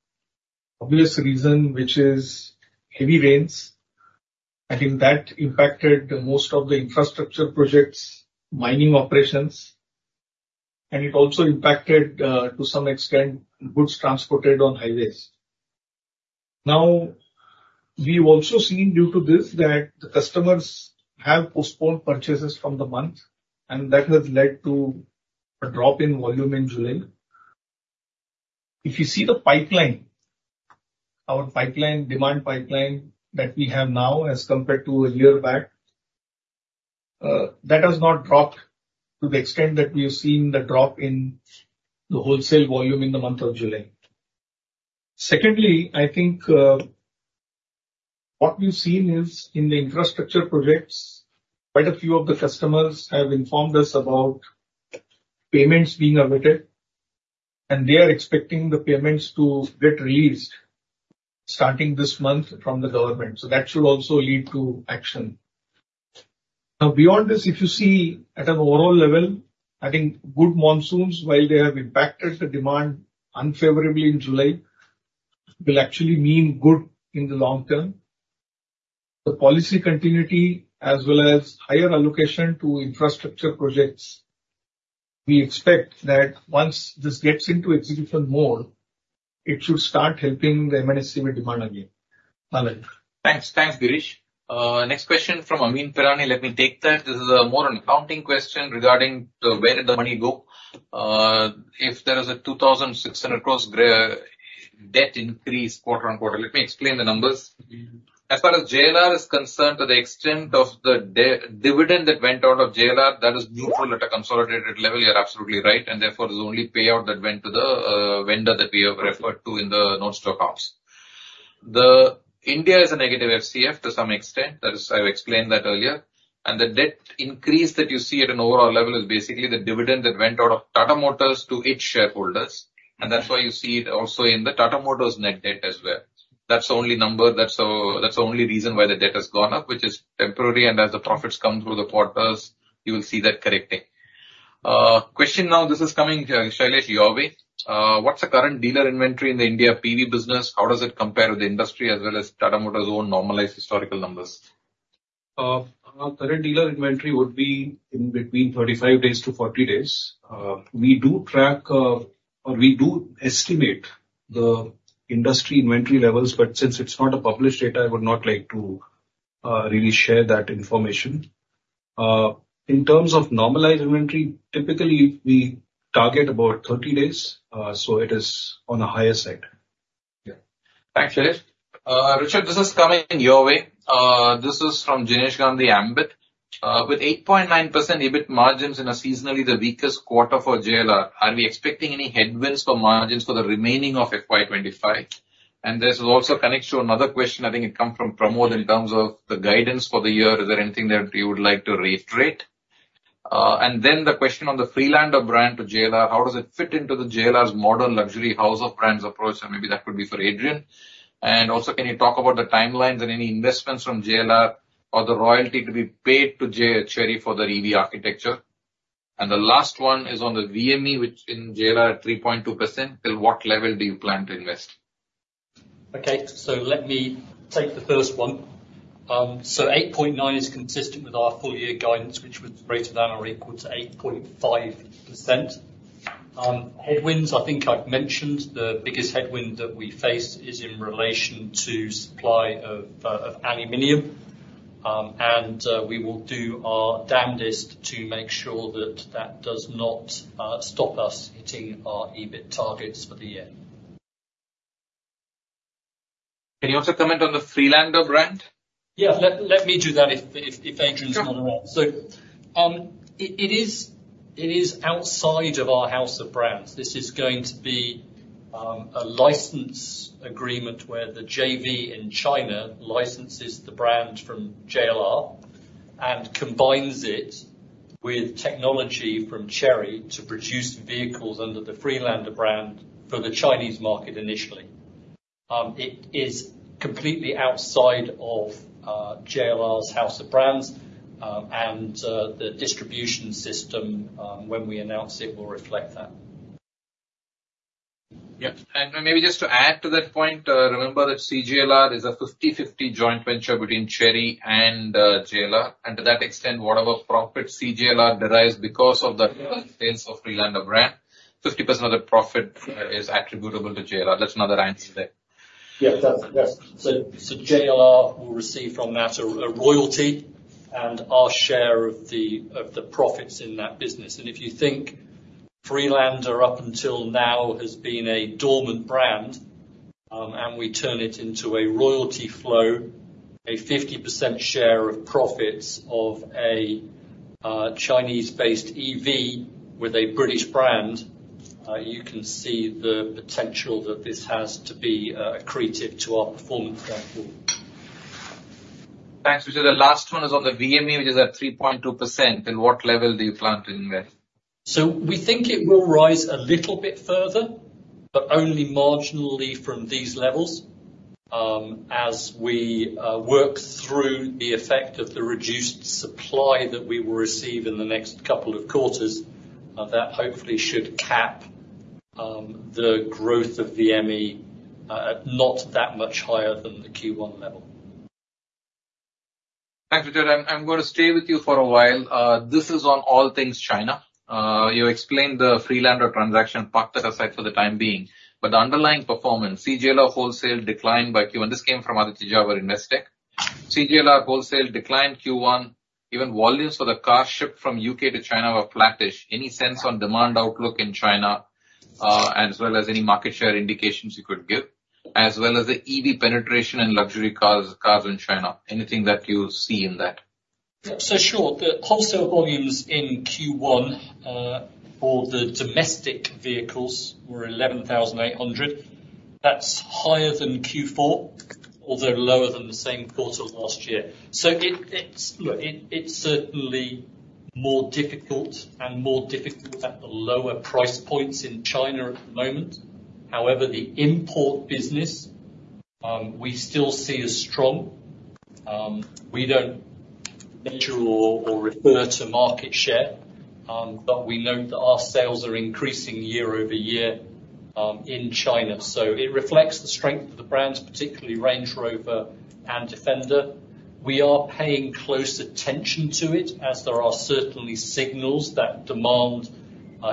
obvious reason, which is heavy rains. I think that impacted most of the infrastructure projects, mining operations, and it also impacted, to some extent, goods transported on highways. Now, we've also seen, due to this, that the customers have postponed purchases from the month, and that has led to a drop in volume in July. If you see the pipeline, our pipeline, demand pipeline that we have now as compared to a year back, that has not dropped to the extent that we have seen the drop in the wholesale volume in the month of July. Secondly, I think, what we've seen is in the infrastructure projects, quite a few of the customers have informed us about payments being awaited, and they are expecting the payments to get released starting this month from the government, so that should also lead to action. Now, beyond this, if you see at an overall level, I think good monsoons, while they have impacted the demand unfavorably in July, will actually mean good in the long term. The policy continuity as well as higher allocation to infrastructure projects, we expect that once this gets into execution mode, it should start helping the M&HCV demand again. Lalit. Thanks. Thanks, Girish. Next question from Ameen Pirani. Let me take that. This is more of an accounting question regarding where did the money go. If there is a 2,600 crore debt increase quarter-on-quarter. Let me explain the numbers. Mm-hmm. As far as JLR is concerned, to the extent of the dividend that went out of JLR, that is neutral at a consolidated level, you're absolutely right, and therefore, there's only payout that went to the vendor that we have referred to in the non-stock ops. The India is a negative FCF to some extent. That is... I've explained that earlier. And the debt increase that you see at an overall level is basically the dividend that went out of Tata Motors to its shareholders, and that's why you see it also in the Tata Motors net debt as well. That's the only number, that's the, that's the only reason why the debt has gone up, which is temporary, and as the profits come through the quarters, you will see that correcting. Question now, this is coming, Shailesh, your way. What's the current dealer inventory in the India PV business? How does it compare with the industry as well as Tata Motors' own normalized historical numbers? Our current dealer inventory would be in between 35-40 days. We do track, or we do estimate the industry inventory levels, but since it's not a published data, I would not like to, really share that information. In terms of normalized inventory, typically, we target about 30 days, so it is on the higher side. Yeah. Thanks, Shailesh. Richard, this is coming your way. This is from Jinesh Gandhi, Ambit. With 8.9% EBIT margins in a seasonally the weakest quarter for JLR, are we expecting any headwinds for margins for the remaining of FY25? And this also connects to another question, I think it come from Pramod, in terms of the guidance for the year. Is there anything that you would like to reiterate? And then the question on the Freelander brand to JLR, how does it fit into the JLR's modern luxury house of brands approach? And maybe that could be for Adrian. And also, can you talk about the timelines and any investments from JLR or the royalty to be paid to Chery Jaguar for the EV architecture?...The last one is on the VME, which in JLR are at 3.2%, till what level do you plan to invest? Okay, so let me take the first one. Eight point nine is consistent with our full year guidance, which was greater than or equal to eight point five percent. Headwinds, I think I've mentioned, the biggest headwind that we face is in relation to supply of aluminum. We will do our damnedest to make sure that that does not stop us hitting our EBIT targets for the year. Can you also comment on the Freelander brand? Yeah, let me do that if Adrian wants to add. Sure. So, it is outside of our house of brands. This is going to be a license agreement where the JV in China licenses the brand from JLR and combines it with technology from Chery to produce vehicles under the Freelander brand for the Chinese market initially. It is completely outside of JLR's house of brands, and the distribution system, when we announce it, will reflect that. Yeah. And maybe just to add to that point, remember that CJLR is a 50/50 joint venture between Chery and JLR, and to that extent, whatever profit CJLR derives because of the sales of Freelander brand, 50% of the profit is attributable to JLR. That's another answer there. Yes, that's yes. So, JLR will receive from that a royalty and our share of the profits in that business. And if you think Freelander, up until now, has been a dormant brand, and we turn it into a royalty flow, a 50% share of profits of a Chinese-based EV with a British brand, you can see the potential that this has to be accretive to our performance going forward. Thanks, Richard. The last one is on the VME, which is at 3.2%, and what level do you plan to invest? We think it will rise a little bit further, but only marginally from these levels. As we work through the effect of the reduced supply that we will receive in the next couple of quarters, that hopefully should cap the growth of VME at not that much higher than the Q1 level. Thanks, Richard. I'm gonna stay with you for a while. This is on all things China. You explained the Freelander transaction, park that aside for the time being, but the underlying performance, CJLR wholesale declined by Q1. This came from Aditya Jhavar at Investec. CJLR wholesale declined Q1, even volumes for the car shipped from U.K. to China were flattish. Any sense on demand outlook in China, as well as any market share indications you could give, as well as the EV penetration and luxury cars, cars in China? Anything that you see in that? So, sure. The wholesale volumes in Q1 for the domestic vehicles were 11,800. That's higher than Q4, although lower than the same quarter last year. So it's certainly more difficult, and more difficult at the lower price points in China at the moment. However, the import business we still see as strong. We don't measure or refer to market share, but we note that our sales are increasing year-over-year in China. So it reflects the strength of the brands, particularly Range Rover and Defender. We are paying close attention to it, as there are certainly signals that demand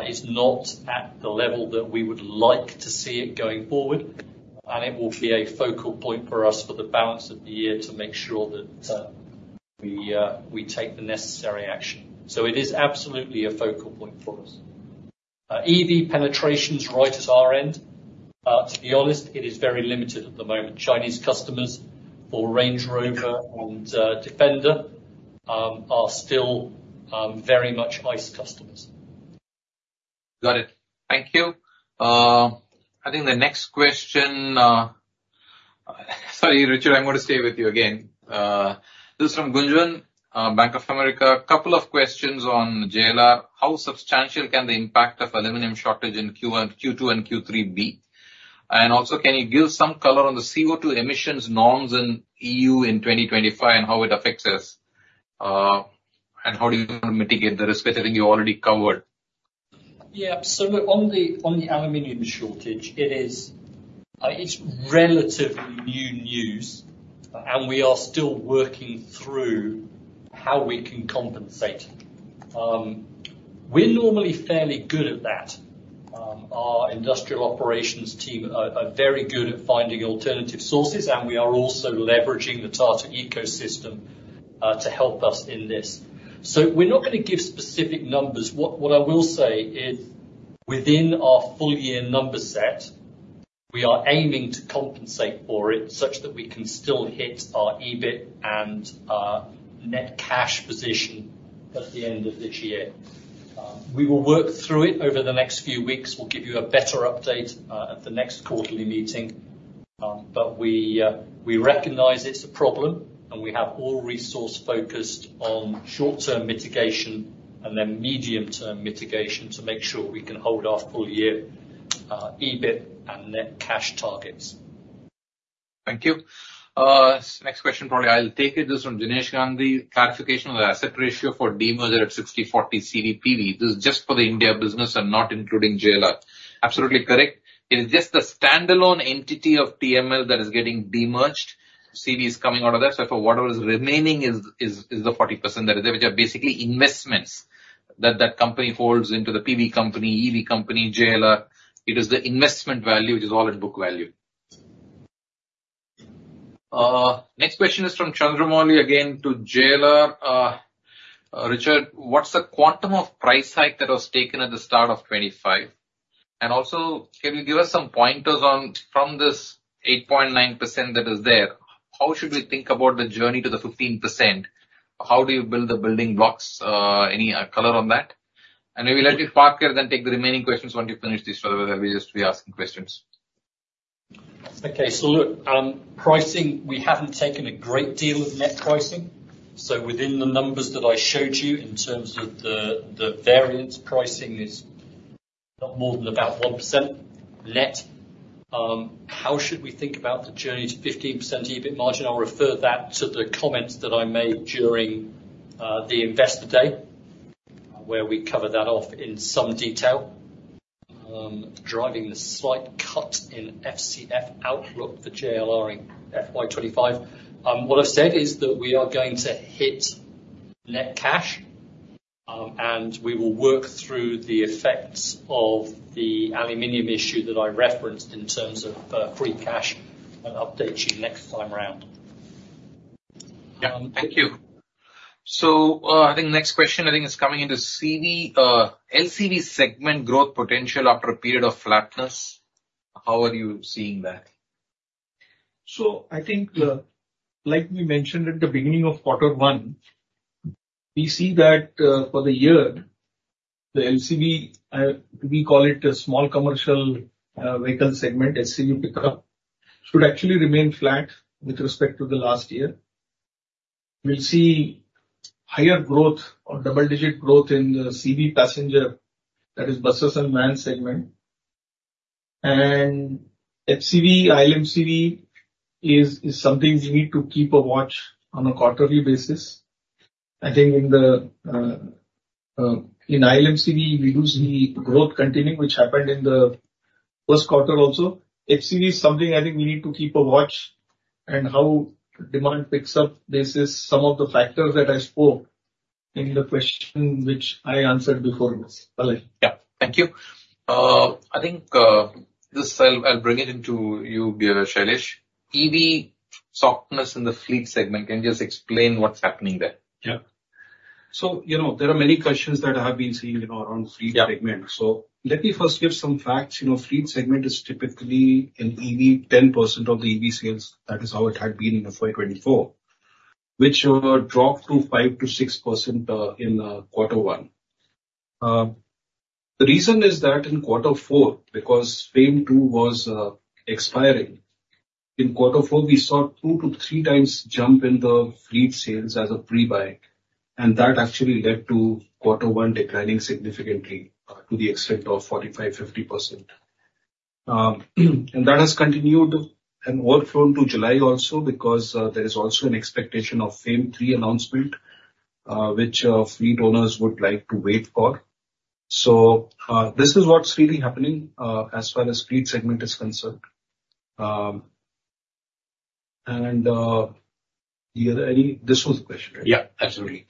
is not at the level that we would like to see it going forward, and it will be a focal point for us for the balance of the year to make sure that we take the necessary action. So it is absolutely a focal point for us. EV penetration is right at our end, to be honest, it is very limited at the moment. Chinese customers for Range Rover and Defender are still very much ICE customers. Got it. Thank you. I think the next question, sorry, Richard, I'm going to stay with you again. This is from Gunjan, Bank of America. A couple of questions on JLR. How substantial can the impact of aluminum shortage in Q1, Q2, and Q3 be? And also, can you give some color on the CO2 emissions norms in EU in 2025 and how it affects us, and how do you mitigate the risk? I think you already covered. Yeah. So on the aluminum shortage, it is, it's relatively new news, and we are still working through how we can compensate. We're normally fairly good at that. Our industrial operations team are very good at finding alternative sources, and we are also leveraging the Tata ecosystem to help us in this. So we're not gonna give specific numbers. What I will say is, within our full year number set, we are aiming to compensate for it such that we can still hit our EBIT and our net cash position at the end of this year. We will work through it over the next few weeks. We'll give you a better update at the next quarterly meeting. But we recognize it's a problem, and we have all resource focused on short-term mitigation and then medium-term mitigation to make sure we can hold our full year EBIT and net cash targets. Thank you. Next question, probably I'll take it, is from Jinesh Gandhi. Clarification on the asset ratio for demerger at 60/40 CV/PV. This is just for the India business and not including JLR. Absolutely correct. It is just the standalone entity of TML that is getting demerged. CV is coming out of that, so for whatever is remaining is the 40% that is there, which are basically investments that that company holds into the PV company, EV company, JLR. It is the investment value, which is all at book value. Next question is from Chandramouli, again, to JLR. Richard, what's the quantum of price hike that was taken at the start of 2025? And also, can you give us some pointers on, from this 8.9% that is there, how should we think about the journey to the 15%?How do you build the building blocks? Any color on that? And maybe let me park here, then take the remaining questions once you finish this rather than we just be asking questions. Okay, so look, pricing, we haven't taken a great deal of net pricing. So within the numbers that I showed you in terms of the variance, pricing is not more than about 1% net. How should we think about the journey to 15% EBIT margin? I'll refer that to the comments that I made during the Investor Day, where we cover that off in some detail. Driving the slight cut in FCF outlook for JLR in FY 25.What I've said is that we are going to hit net cash, and we will work through the effects of the aluminum issue that I referenced in terms of free cash, and update you next time around. Yeah. Thank you. So, I think next question, I think, is coming into CV. LCV segment growth potential after a period of flatness, how are you seeing that? So I think, like we mentioned at the beginning of quarter one, we see that, for the year, the LCV, we call it a small commercial, vehicle segment, SCV pickup, should actually remain flat with respect to the last year. We'll see higher growth or double-digit growth in the CV passenger, that is buses and van segment. And HCV, I&LCV is, is something we need to keep a watch on a quarterly basis. I think in the, in I&LCV, we do see growth continuing, which happened in the first quarter also. HCV is something I think we need to keep a watch, and how demand picks up. This is some of the factors that I spoke in the question which I answered before this. Alright. Yeah. Thank you. I think this, I'll bring it to you, Shailesh. EV softness in the fleet segment, can you just explain what's happening there? Yeah. So, you know, there are many questions that I have been seeing, you know, around fleet segment. Yeah. So let me first give some facts. You know, fleet segment is typically an EV, 10% of the EV sales. That is how it had been in FY 2024, which dropped to 5%-6% in quarter one. The reason isthat in quarter four, because FAME II was expiring, in quarter four, we saw 2-3 times jump in the fleet sales as a pre-buy, and that actually led to quarter one declining significantly to the extent of 45%-50%. And that has continued and worked through to July also, because there is also an expectation of FAME III announcement, which fleet owners would like to wait for. So this is what's really happening as far as fleet segment is concerned. And yeah, this was the question, right? Yeah, absolutely.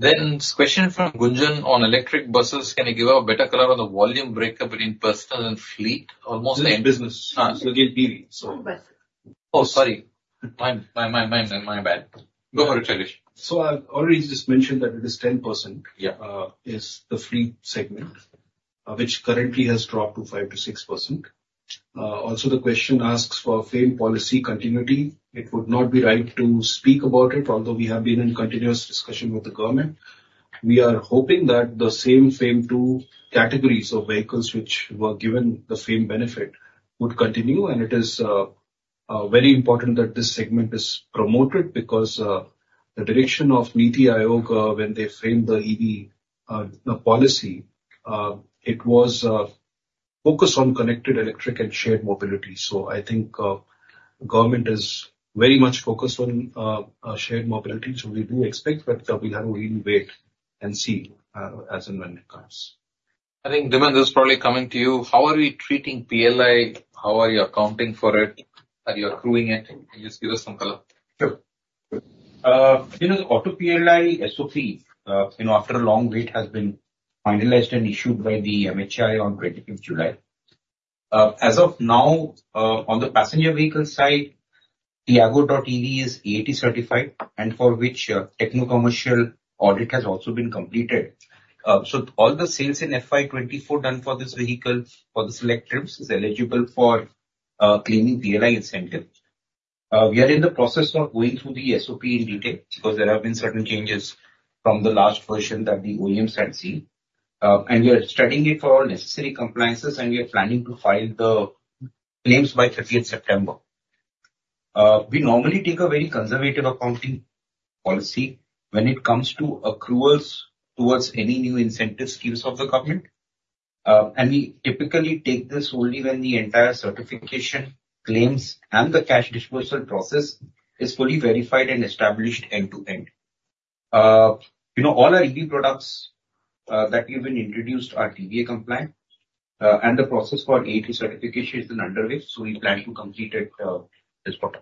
Then this question from Gunjan on electric buses: Can you give a better color on the volume breakup between personal and fleet? Or mostly- This is business. Again, PV, Bus. Oh, sorry. My bad. Go for it, Shailesh. I've already just mentioned that it is 10%- Yeah... is the fleet segment, which currently has dropped to 5%-6%. Also, the question asks for FAME policy continuity. It would not be right to speak about it, although we have been in continuous discussion with the government. We are hoping that the same FAME II categories of vehicles which were given the FAME benefit would continue, and it is very important that this segment is promoted because the direction of NITI Aayog, when they framed the EV policy, it was focused on connected, electric, and shared mobility. So I think government is very much focused on shared mobility, so we do expect that, but we have to really wait and see as and when it comes. I think, Dhiman, this is probably coming to you. How are we treating PLI? How are you accounting for it? Are you accruing it? Can you just give us some color? Sure. You know, the Auto PLI SOP, you know, after a long wait, has been finalized and issued by the MHI on 25th July. As of now, on the passenger vehicle side, Tiago.ev is AAT certified, and for which, techno-commercial audit has also been completed. So all the sales in FY 2024 done for this vehicle, for the select trims, is eligible for claiming PLI incentive. We are in the process of going through the SOP in detail, because there have been certain changes from the last version that the OEMs had seen. And we are studying it for all necessary compliances, and we are planning to file the claims by 30th September. We normally take a very conservative accounting policy when it comes to accruals towards any new incentive schemes of the government... And we typically take this only when the entire certification claims and the cash dispersal process is fully verified and established end to end. You know, all our EV products that have been introduced are DVA compliant, and the process for AAT certification is underway, so we plan to complete it this quarter.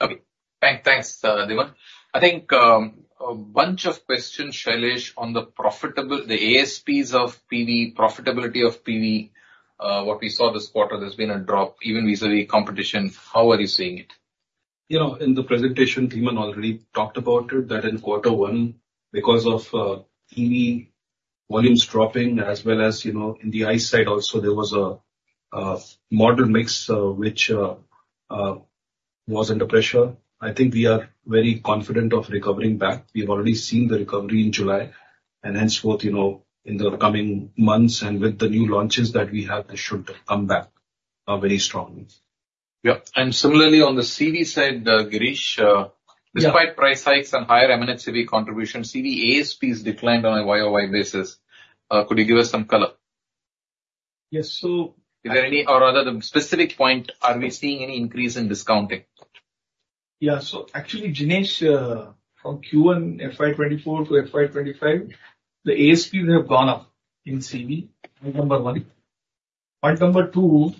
Okay. Thank, thanks, Dhiman. I think, a bunch of questions, Shailesh, on the profitable, the ASPs of PV, profitability of PV, what we saw this quarter, there's been a drop, even recently, competition. How are you seeing it? You know, in the presentation, Dhiman already talked about it, that in quarter one, because of EV volumes dropping, as well as, you know, in the ICE side also there was a model mix, which was under pressure. I think we are very confident of recovering back. We've already seen the recovery in July, and henceforth, you know, in the coming months and with the new launches that we have, they should come back very strongly. Yeah. And similarly, on the CV side, Girish, Yeah. Despite price hikes and higher M&HCV contribution, CV ASPs declined on a YOY basis. Could you give us some color? Yes, so- Is there any, or rather, the specific point, are we seeing any increase in discounting? Yeah, so actually, Jinesh, from Q1 FY24 to FY25, the ASPs have gone up in CV, point number one. Point number two,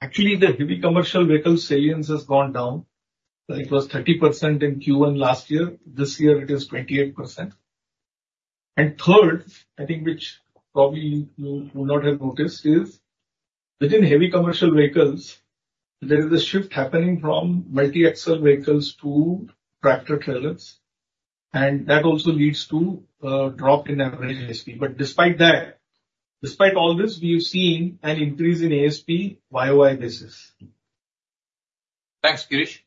actually, the heavy commercial vehicle salience has gone down. It was 30% in Q1 last year. This year it is 28%. And third, I think, which probably you would not have noticed, is within heavy commercial vehicles, there is a shift happening from multi-axle vehicles to tractor-trailers, and that also leads to drop in average ASP. But despite that, despite all this, we have seen an increase in ASP YoY basis. Thanks, Girish.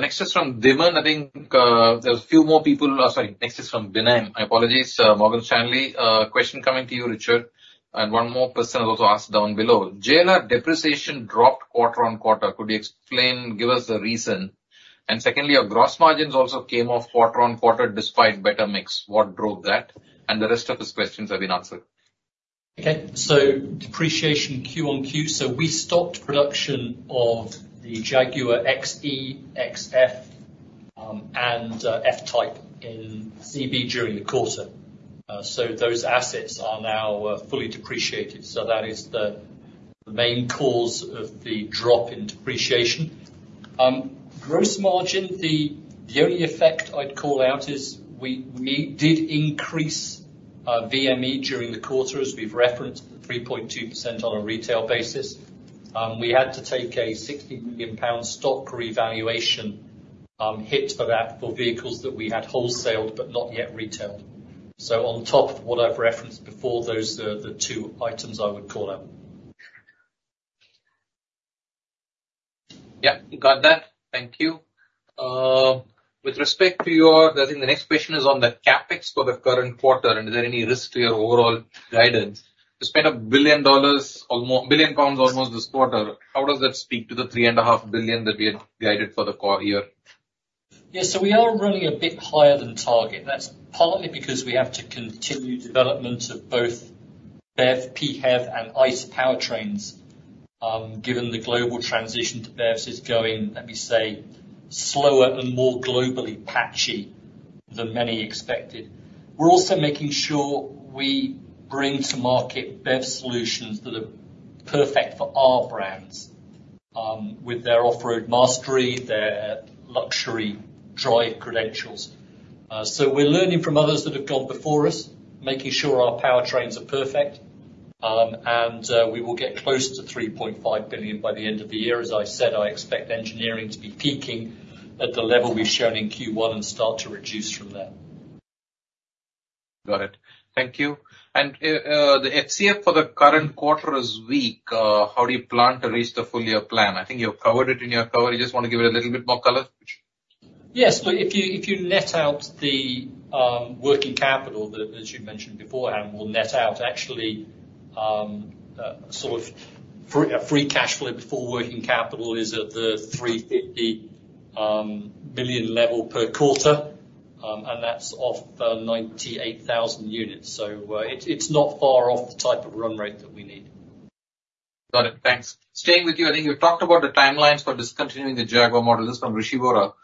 Next is from Deven. I think, there are a few more people... Oh, sorry, next is from Binay. I apologize, Morgan Stanley. Question coming to you, Richard, and one more question was also asked down below. JLR depreciation dropped quarter-on-quarter. Could you explain, give us the reason? And secondly, our gross margins also came off quarter-on-quarter despite better mix. What drove that? And the rest of his questions have been answered. Okay, so depreciation Q-on-Q. So we stopped production of the Jaguar XE, XF, and F-Type in CV during the quarter. So those assets are now fully depreciated, so that is the main cause of the drop in depreciation. Gross margin, the only effect I'd call out is we did increase VME during the quarter, as we've referenced, 3.2% on a retail basis. We had to take a 60 million pound stock revaluation hit for that, for vehicles that we had wholesaled but not yet retailed. So on top of what I've referenced before, those are the two items I would call out. Yeah, got that. Thank you. With respect to your... I think the next question is on the CapEx for the current quarter, and is there any risk to your overall guidance? You spent $1 billion, almost, 1 billion pounds almost this quarter. How does that speak to the 3.5 billion that we had guided for the core year? Yes, so we are running a bit higher than target. That's partly because we have to continue development of both BEV, PHEV and ICE powertrains, given the global transition to BEVs is going, let me say, slower and more globally patchy than many expected. We're also making sure we bring to market BEV solutions that are perfect for our brands, with their off-road mastery, their luxury drive credentials. So we're learning from others that have gone before us, making sure our powertrains are perfect, and we will get close to 3.5 billion by the end of the year. As I said, I expect engineering to be peaking at the level we've shown in Q1 and start to reduce from there. Got it. Thank you. The FCF for the current quarter is weak. How do you plan to reach the full year plan? I think you have covered it in your cover. You just want to give it a little bit more color, Richard? Yes. So if you, if you net out the working capital that, that you mentioned beforehand, we'll net out actually sort of a free cash flow before working capital is at the 3 billion level per quarter, and that's off 98,000 units. So, it's, it's not far off the type of run rate that we need. Got it. Thanks. Staying with you, I think you talked about the timelines for discontinuing the Jaguar model. This is from Rishi Vora.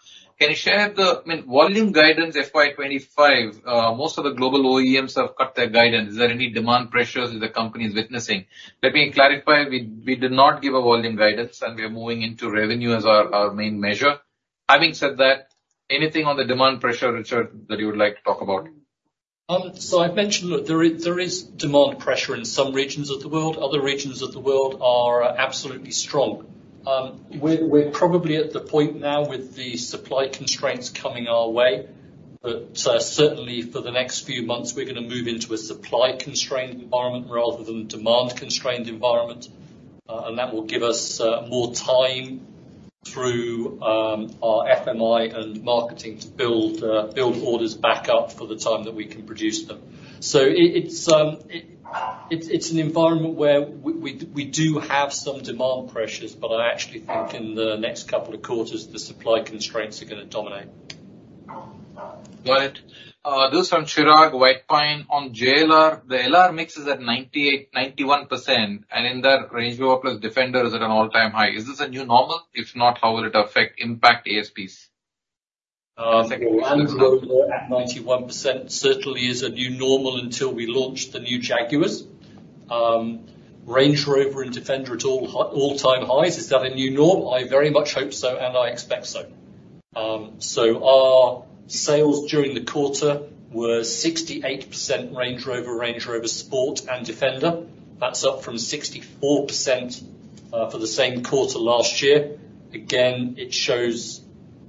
Can you share the, I mean, volume guidance FY 2025? Most of the global OEMs have cut their guidance. Is there any demand pressures that the company is witnessing? Let me clarify. We, we did not give a volume guidance, and we are moving into revenue as our, our main measure. Having said that, anything on the demand pressure, Richard, that you would like to talk about? So I've mentioned that there is demand pressure in some regions of the world. Other regions of the world are absolutely strong. We're probably at the point now with the supply constraints coming our way, but certainly for the next few months, we're going to move into a supply-constrained environment rather than demand-constrained environment. And that will give us more time through our FMI and marketing to build orders back up for the time that we can produce them. So it's an environment where we do have some demand pressures, but I actually think in the next couple of quarters, the supply constraints are going to dominate.... Got it. This from Chirag, White Pine. On JLR, the LR mix is at 98.91%, and in that, Range Rover plus Defender is at an all-time high. Is this a new normal? If not, how will it affect, impact ASPs? Range Rover at 91% certainly is a new normal until we launch the new Jaguars. Range Rover and Defender at all-time highs, is that a new norm? I very much hope so, and I expect so. So our sales during the quarter were 68% Range Rover, Range Rover Sport, and Defender. That's up from 64%, for the same quarter last year. Again, it shows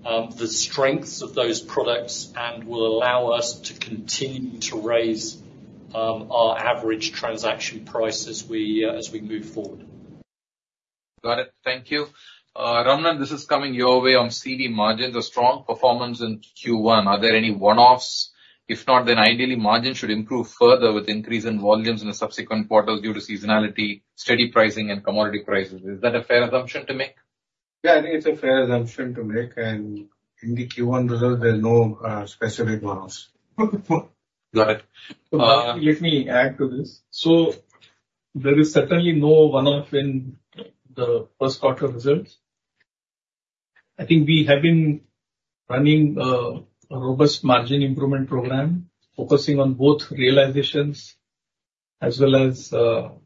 the strengths of those products and will allow us to continue to raise our average transaction price as we as we move forward. Got it. Thank you. Girish, this is coming your way on CV margins, a strong performance in Q1. Are there any one-offs? If not, then ideally, margins should improve further with increase in volumes in the subsequent quarters due to seasonality, steady pricing, and commodity prices. Is that a fair assumption to make? Yeah, I think it's a fair assumption to make, and in the Q1 results, there's no specific one-offs. Got it. Let me add to this. So there is certainly no one-off in the first quarter results. I think we have been running a robust margin improvement program, focusing on both realizations as well as the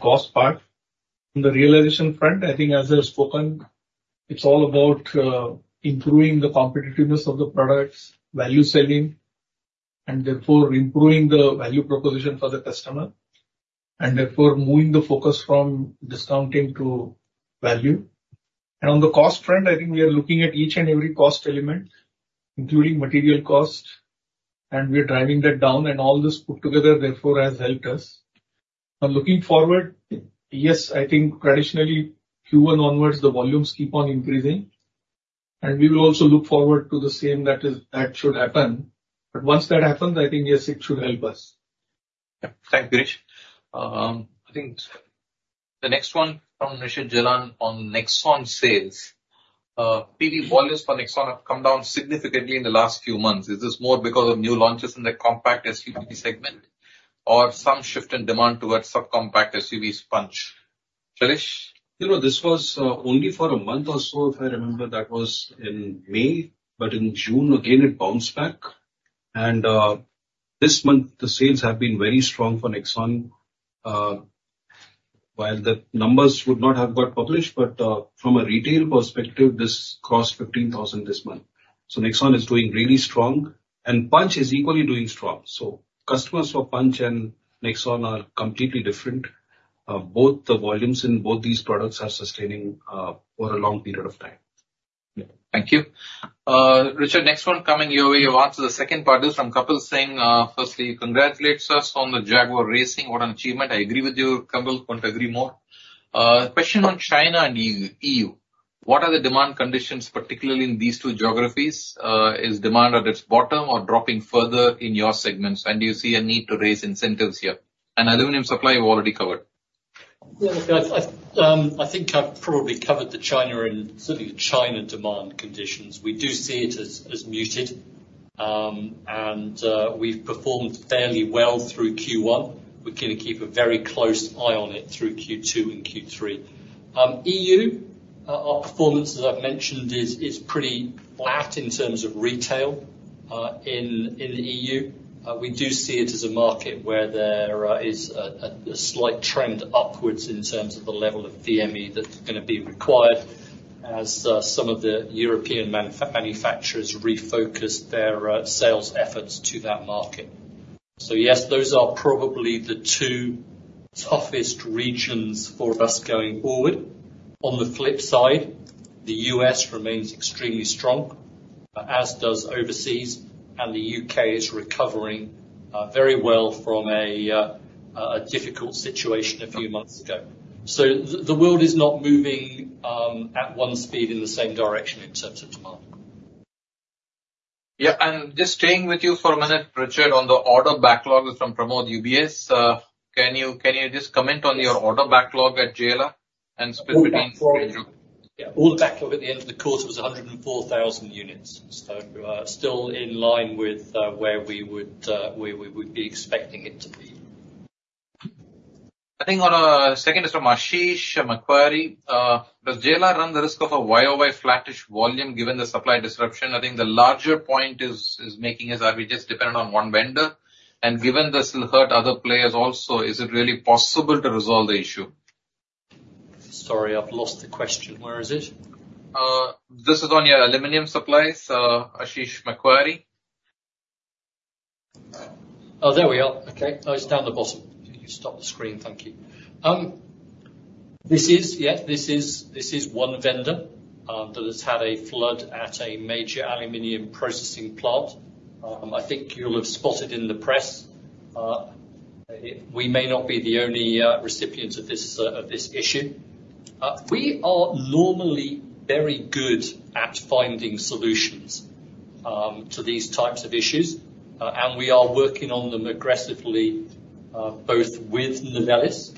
cost part. In the realization front, I think as I've spoken, it's all about improving the competitiveness of the products, value selling, and therefore improving the value proposition for the customer, and therefore, moving the focus from discounting to value. And on the cost front, I think we are looking at each and every cost element, including material cost, and we are driving that down, and all this put together, therefore, has helped us. But looking forward, yes, I think traditionally, Q1 onwards, the volumes keep on increasing, and we will also look forward to the same, that is, that should happen. But once that happens, I think, yes, it should help us. Yeah. Thanks, Girish. I think the next one from Richard Gillon on Nexon sales. PV volumes for Nexon have come down significantly in the last few months. Is this more because of new launches in the compact SUV segment, or some shift in demand towards subcompact SUV Punch? Girish? You know, this was only for a month or so, if I remember. That was in May, but in June, again, it bounced back. And this month, the sales have been very strong for Nexon. While the numbers would not have got published, but from a retail perspective, this crossed 15,000 this month. So Nexon is doing really strong, and Punch is equally doing strong. So customers for Punch and Nexon are completely different. Both the volumes in both these products are sustaining over a long period of time. Thank you. Richard, next one coming your way. You answer the second part is from Kapil Singh. Firstly, he congratulates us on the Jaguar racing. What an achievement! I agree with you, Kapil, couldn't agree more. Question on China and EU, EU. What are the demand conditions, particularly in these two geographies? Is demand at its bottom or dropping further in your segments, and do you see a need to raise incentives here? And aluminum supply, you've already covered. Yeah, look, I think I've probably covered the China and certainly the China demand conditions. We do see it as muted, and we've performed fairly well through Q1. We're gonna keep a very close eye on it through Q2 and Q3. EU, our performance, as I've mentioned, is pretty flat in terms of retail, in the EU. We do see it as a market where there is a slight trend upwards in terms of the level of VME that's gonna be required as some of the European manufacturers refocus their sales efforts to that market. So yes, those are probably the two toughest regions for us going forward. On the flip side, the U.S. remains extremely strong, as does overseas, and the U.K. is recovering very well from a difficult situation a few months ago. So the world is not moving at one speed in the same direction in terms of demand. Yeah, and just staying with you for a minute, Richard, on the order backlog from Pramod, UBS, can you just comment on your order backlog at JLR and split between- Yeah, all backlog at the end of the quarter was 104,000 units. So, still in line with where we would be expecting it to be. I think on second is from Ashish, Macquarie. Does JLR run the risk of a YoY flattish volume, given the supply disruption? I think the larger point is, he's making is, are we just dependent on one vendor? And given this will hurt other players also, is it really possible to resolve the issue? Sorry, I've lost the question. Where is it? This is on your aluminum supply, so Ashish, Macquarie. Oh, there we are. Okay. Oh, it's down the bottom. Can you stop the screen? Thank you. This is... Yeah, this is, this is one vendor that has had a flood at a major aluminum processing plant. I think you'll have spotted in the press, we may not be the only recipient of this, of this issue. We are normally very good at finding solutions to these types of issues, and we are working on them aggressively, both with Novelis-...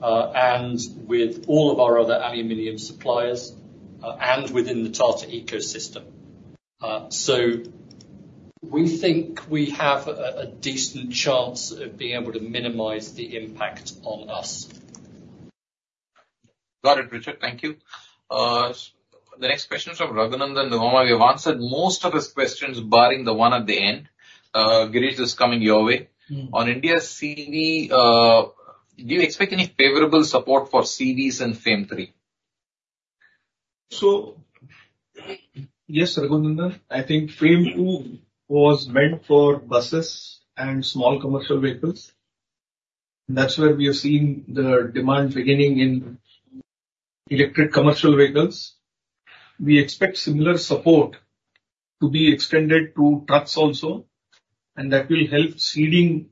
and with all of our other aluminum suppliers, and within the Tata ecosystem. So we think we have a, a decent chance of being able to minimize the impact on us. Got it, Richard. Thank you. The next question is from Raghunandan Nomura. We have answered most of his questions, barring the one at the end. Girish, this is coming your way. Mm. On India's CE, do you expect any favorable support for CE and FAME III? So, yes, Raghunandan. I think FAME II was meant for buses and small commercial vehicles. That's where we have seen the demand beginning in electric commercial vehicles. We expect similar support to be extended to trucks also, and that will help seeding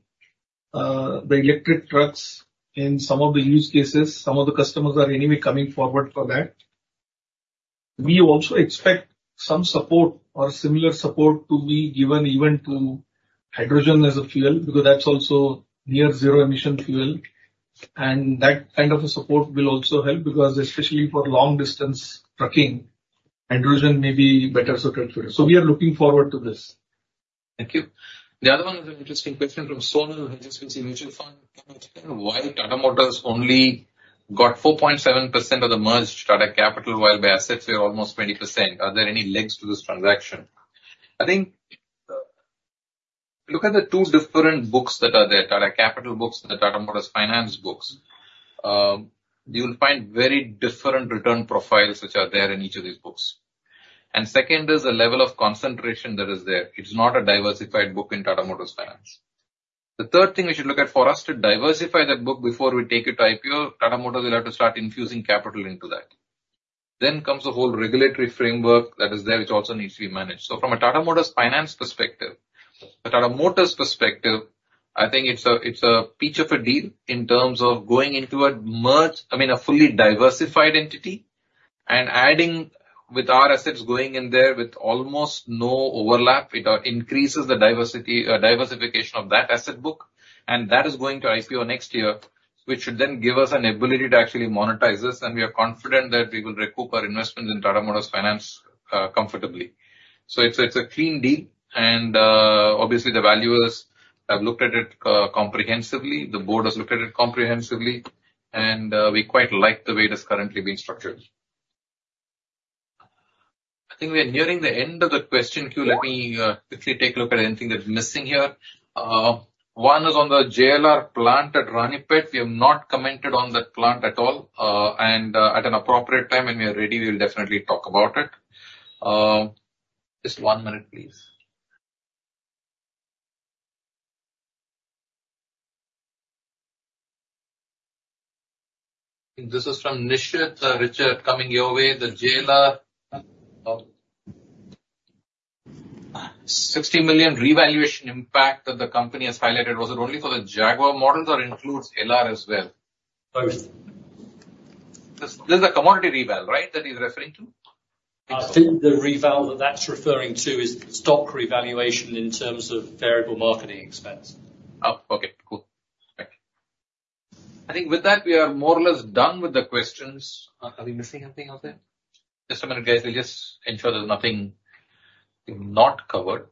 the electric trucks in some of the use cases. Some of the customers are anyway coming forward for that. We also expect some support or similar support to be given even to hydrogen as a fuel, because that's also near zero emission fuel. And that kind of a support will also help, because especially for long distance trucking, hydrogen may be better suited. So we are looking forward to this. Thank you. The other one is an interesting question from Sonu from HDFC Mutual Fund. Can you explain why Tata Motors only got 4.7% of the merged Tata Capital, while the assets were almost 20%? Are there any legs to this transaction? I think, look at the two different books that are there, Tata Capital books and the Tata Motors Finance books. You'll find very different return profiles which are there in each of these books. And second, there's a level of concentration that is there. It's not a diversified book in Tata Motors Finance. The third thing we should look at, for us to diversify that book before we take it to IPO, Tata Motors will have to start infusing capital into that. Then comes the whole regulatory framework that is there, which also needs to be managed. So from a Tata Motors Finance perspective, a Tata Motors perspective, I think it's a, it's a peach of a deal in terms of going into a merged... I mean, a fully diversified entity, and adding with our assets going in there with almost no overlap, it increases the diversity, diversification of that asset book, and that is going to IPO next year, which should then give us an ability to actually monetize this. And we are confident that we will recoup our investment in Tata Motors Finance, comfortably. So it's a, it's a clean deal, and, obviously, the valuers have looked at it, comprehensively. The board has looked at it comprehensively, and, we quite like the way it is currently being structured. I think we are nearing the end of the question queue. Let me quickly take a look at anything that's missing here. One is on the JLR plant at Ranipet. We have not commented on that plant at all, and at an appropriate time when we are ready, we will definitely talk about it. Just one minute, please. This is from Nishit. Richard, coming your way. The JLR, 60 million revaluation impact that the company has highlighted, was it only for the Jaguar models or includes LR as well? Both. This is a commodity reval, right, that he's referring to? I think the reval that's referring to is stock revaluation in terms of variable marketing expense. Oh, okay. Cool. Thank you. I think with that, we are more or less done with the questions. Are we missing anything out there? Just a minute, guys. We'll just ensure there's nothing not covered.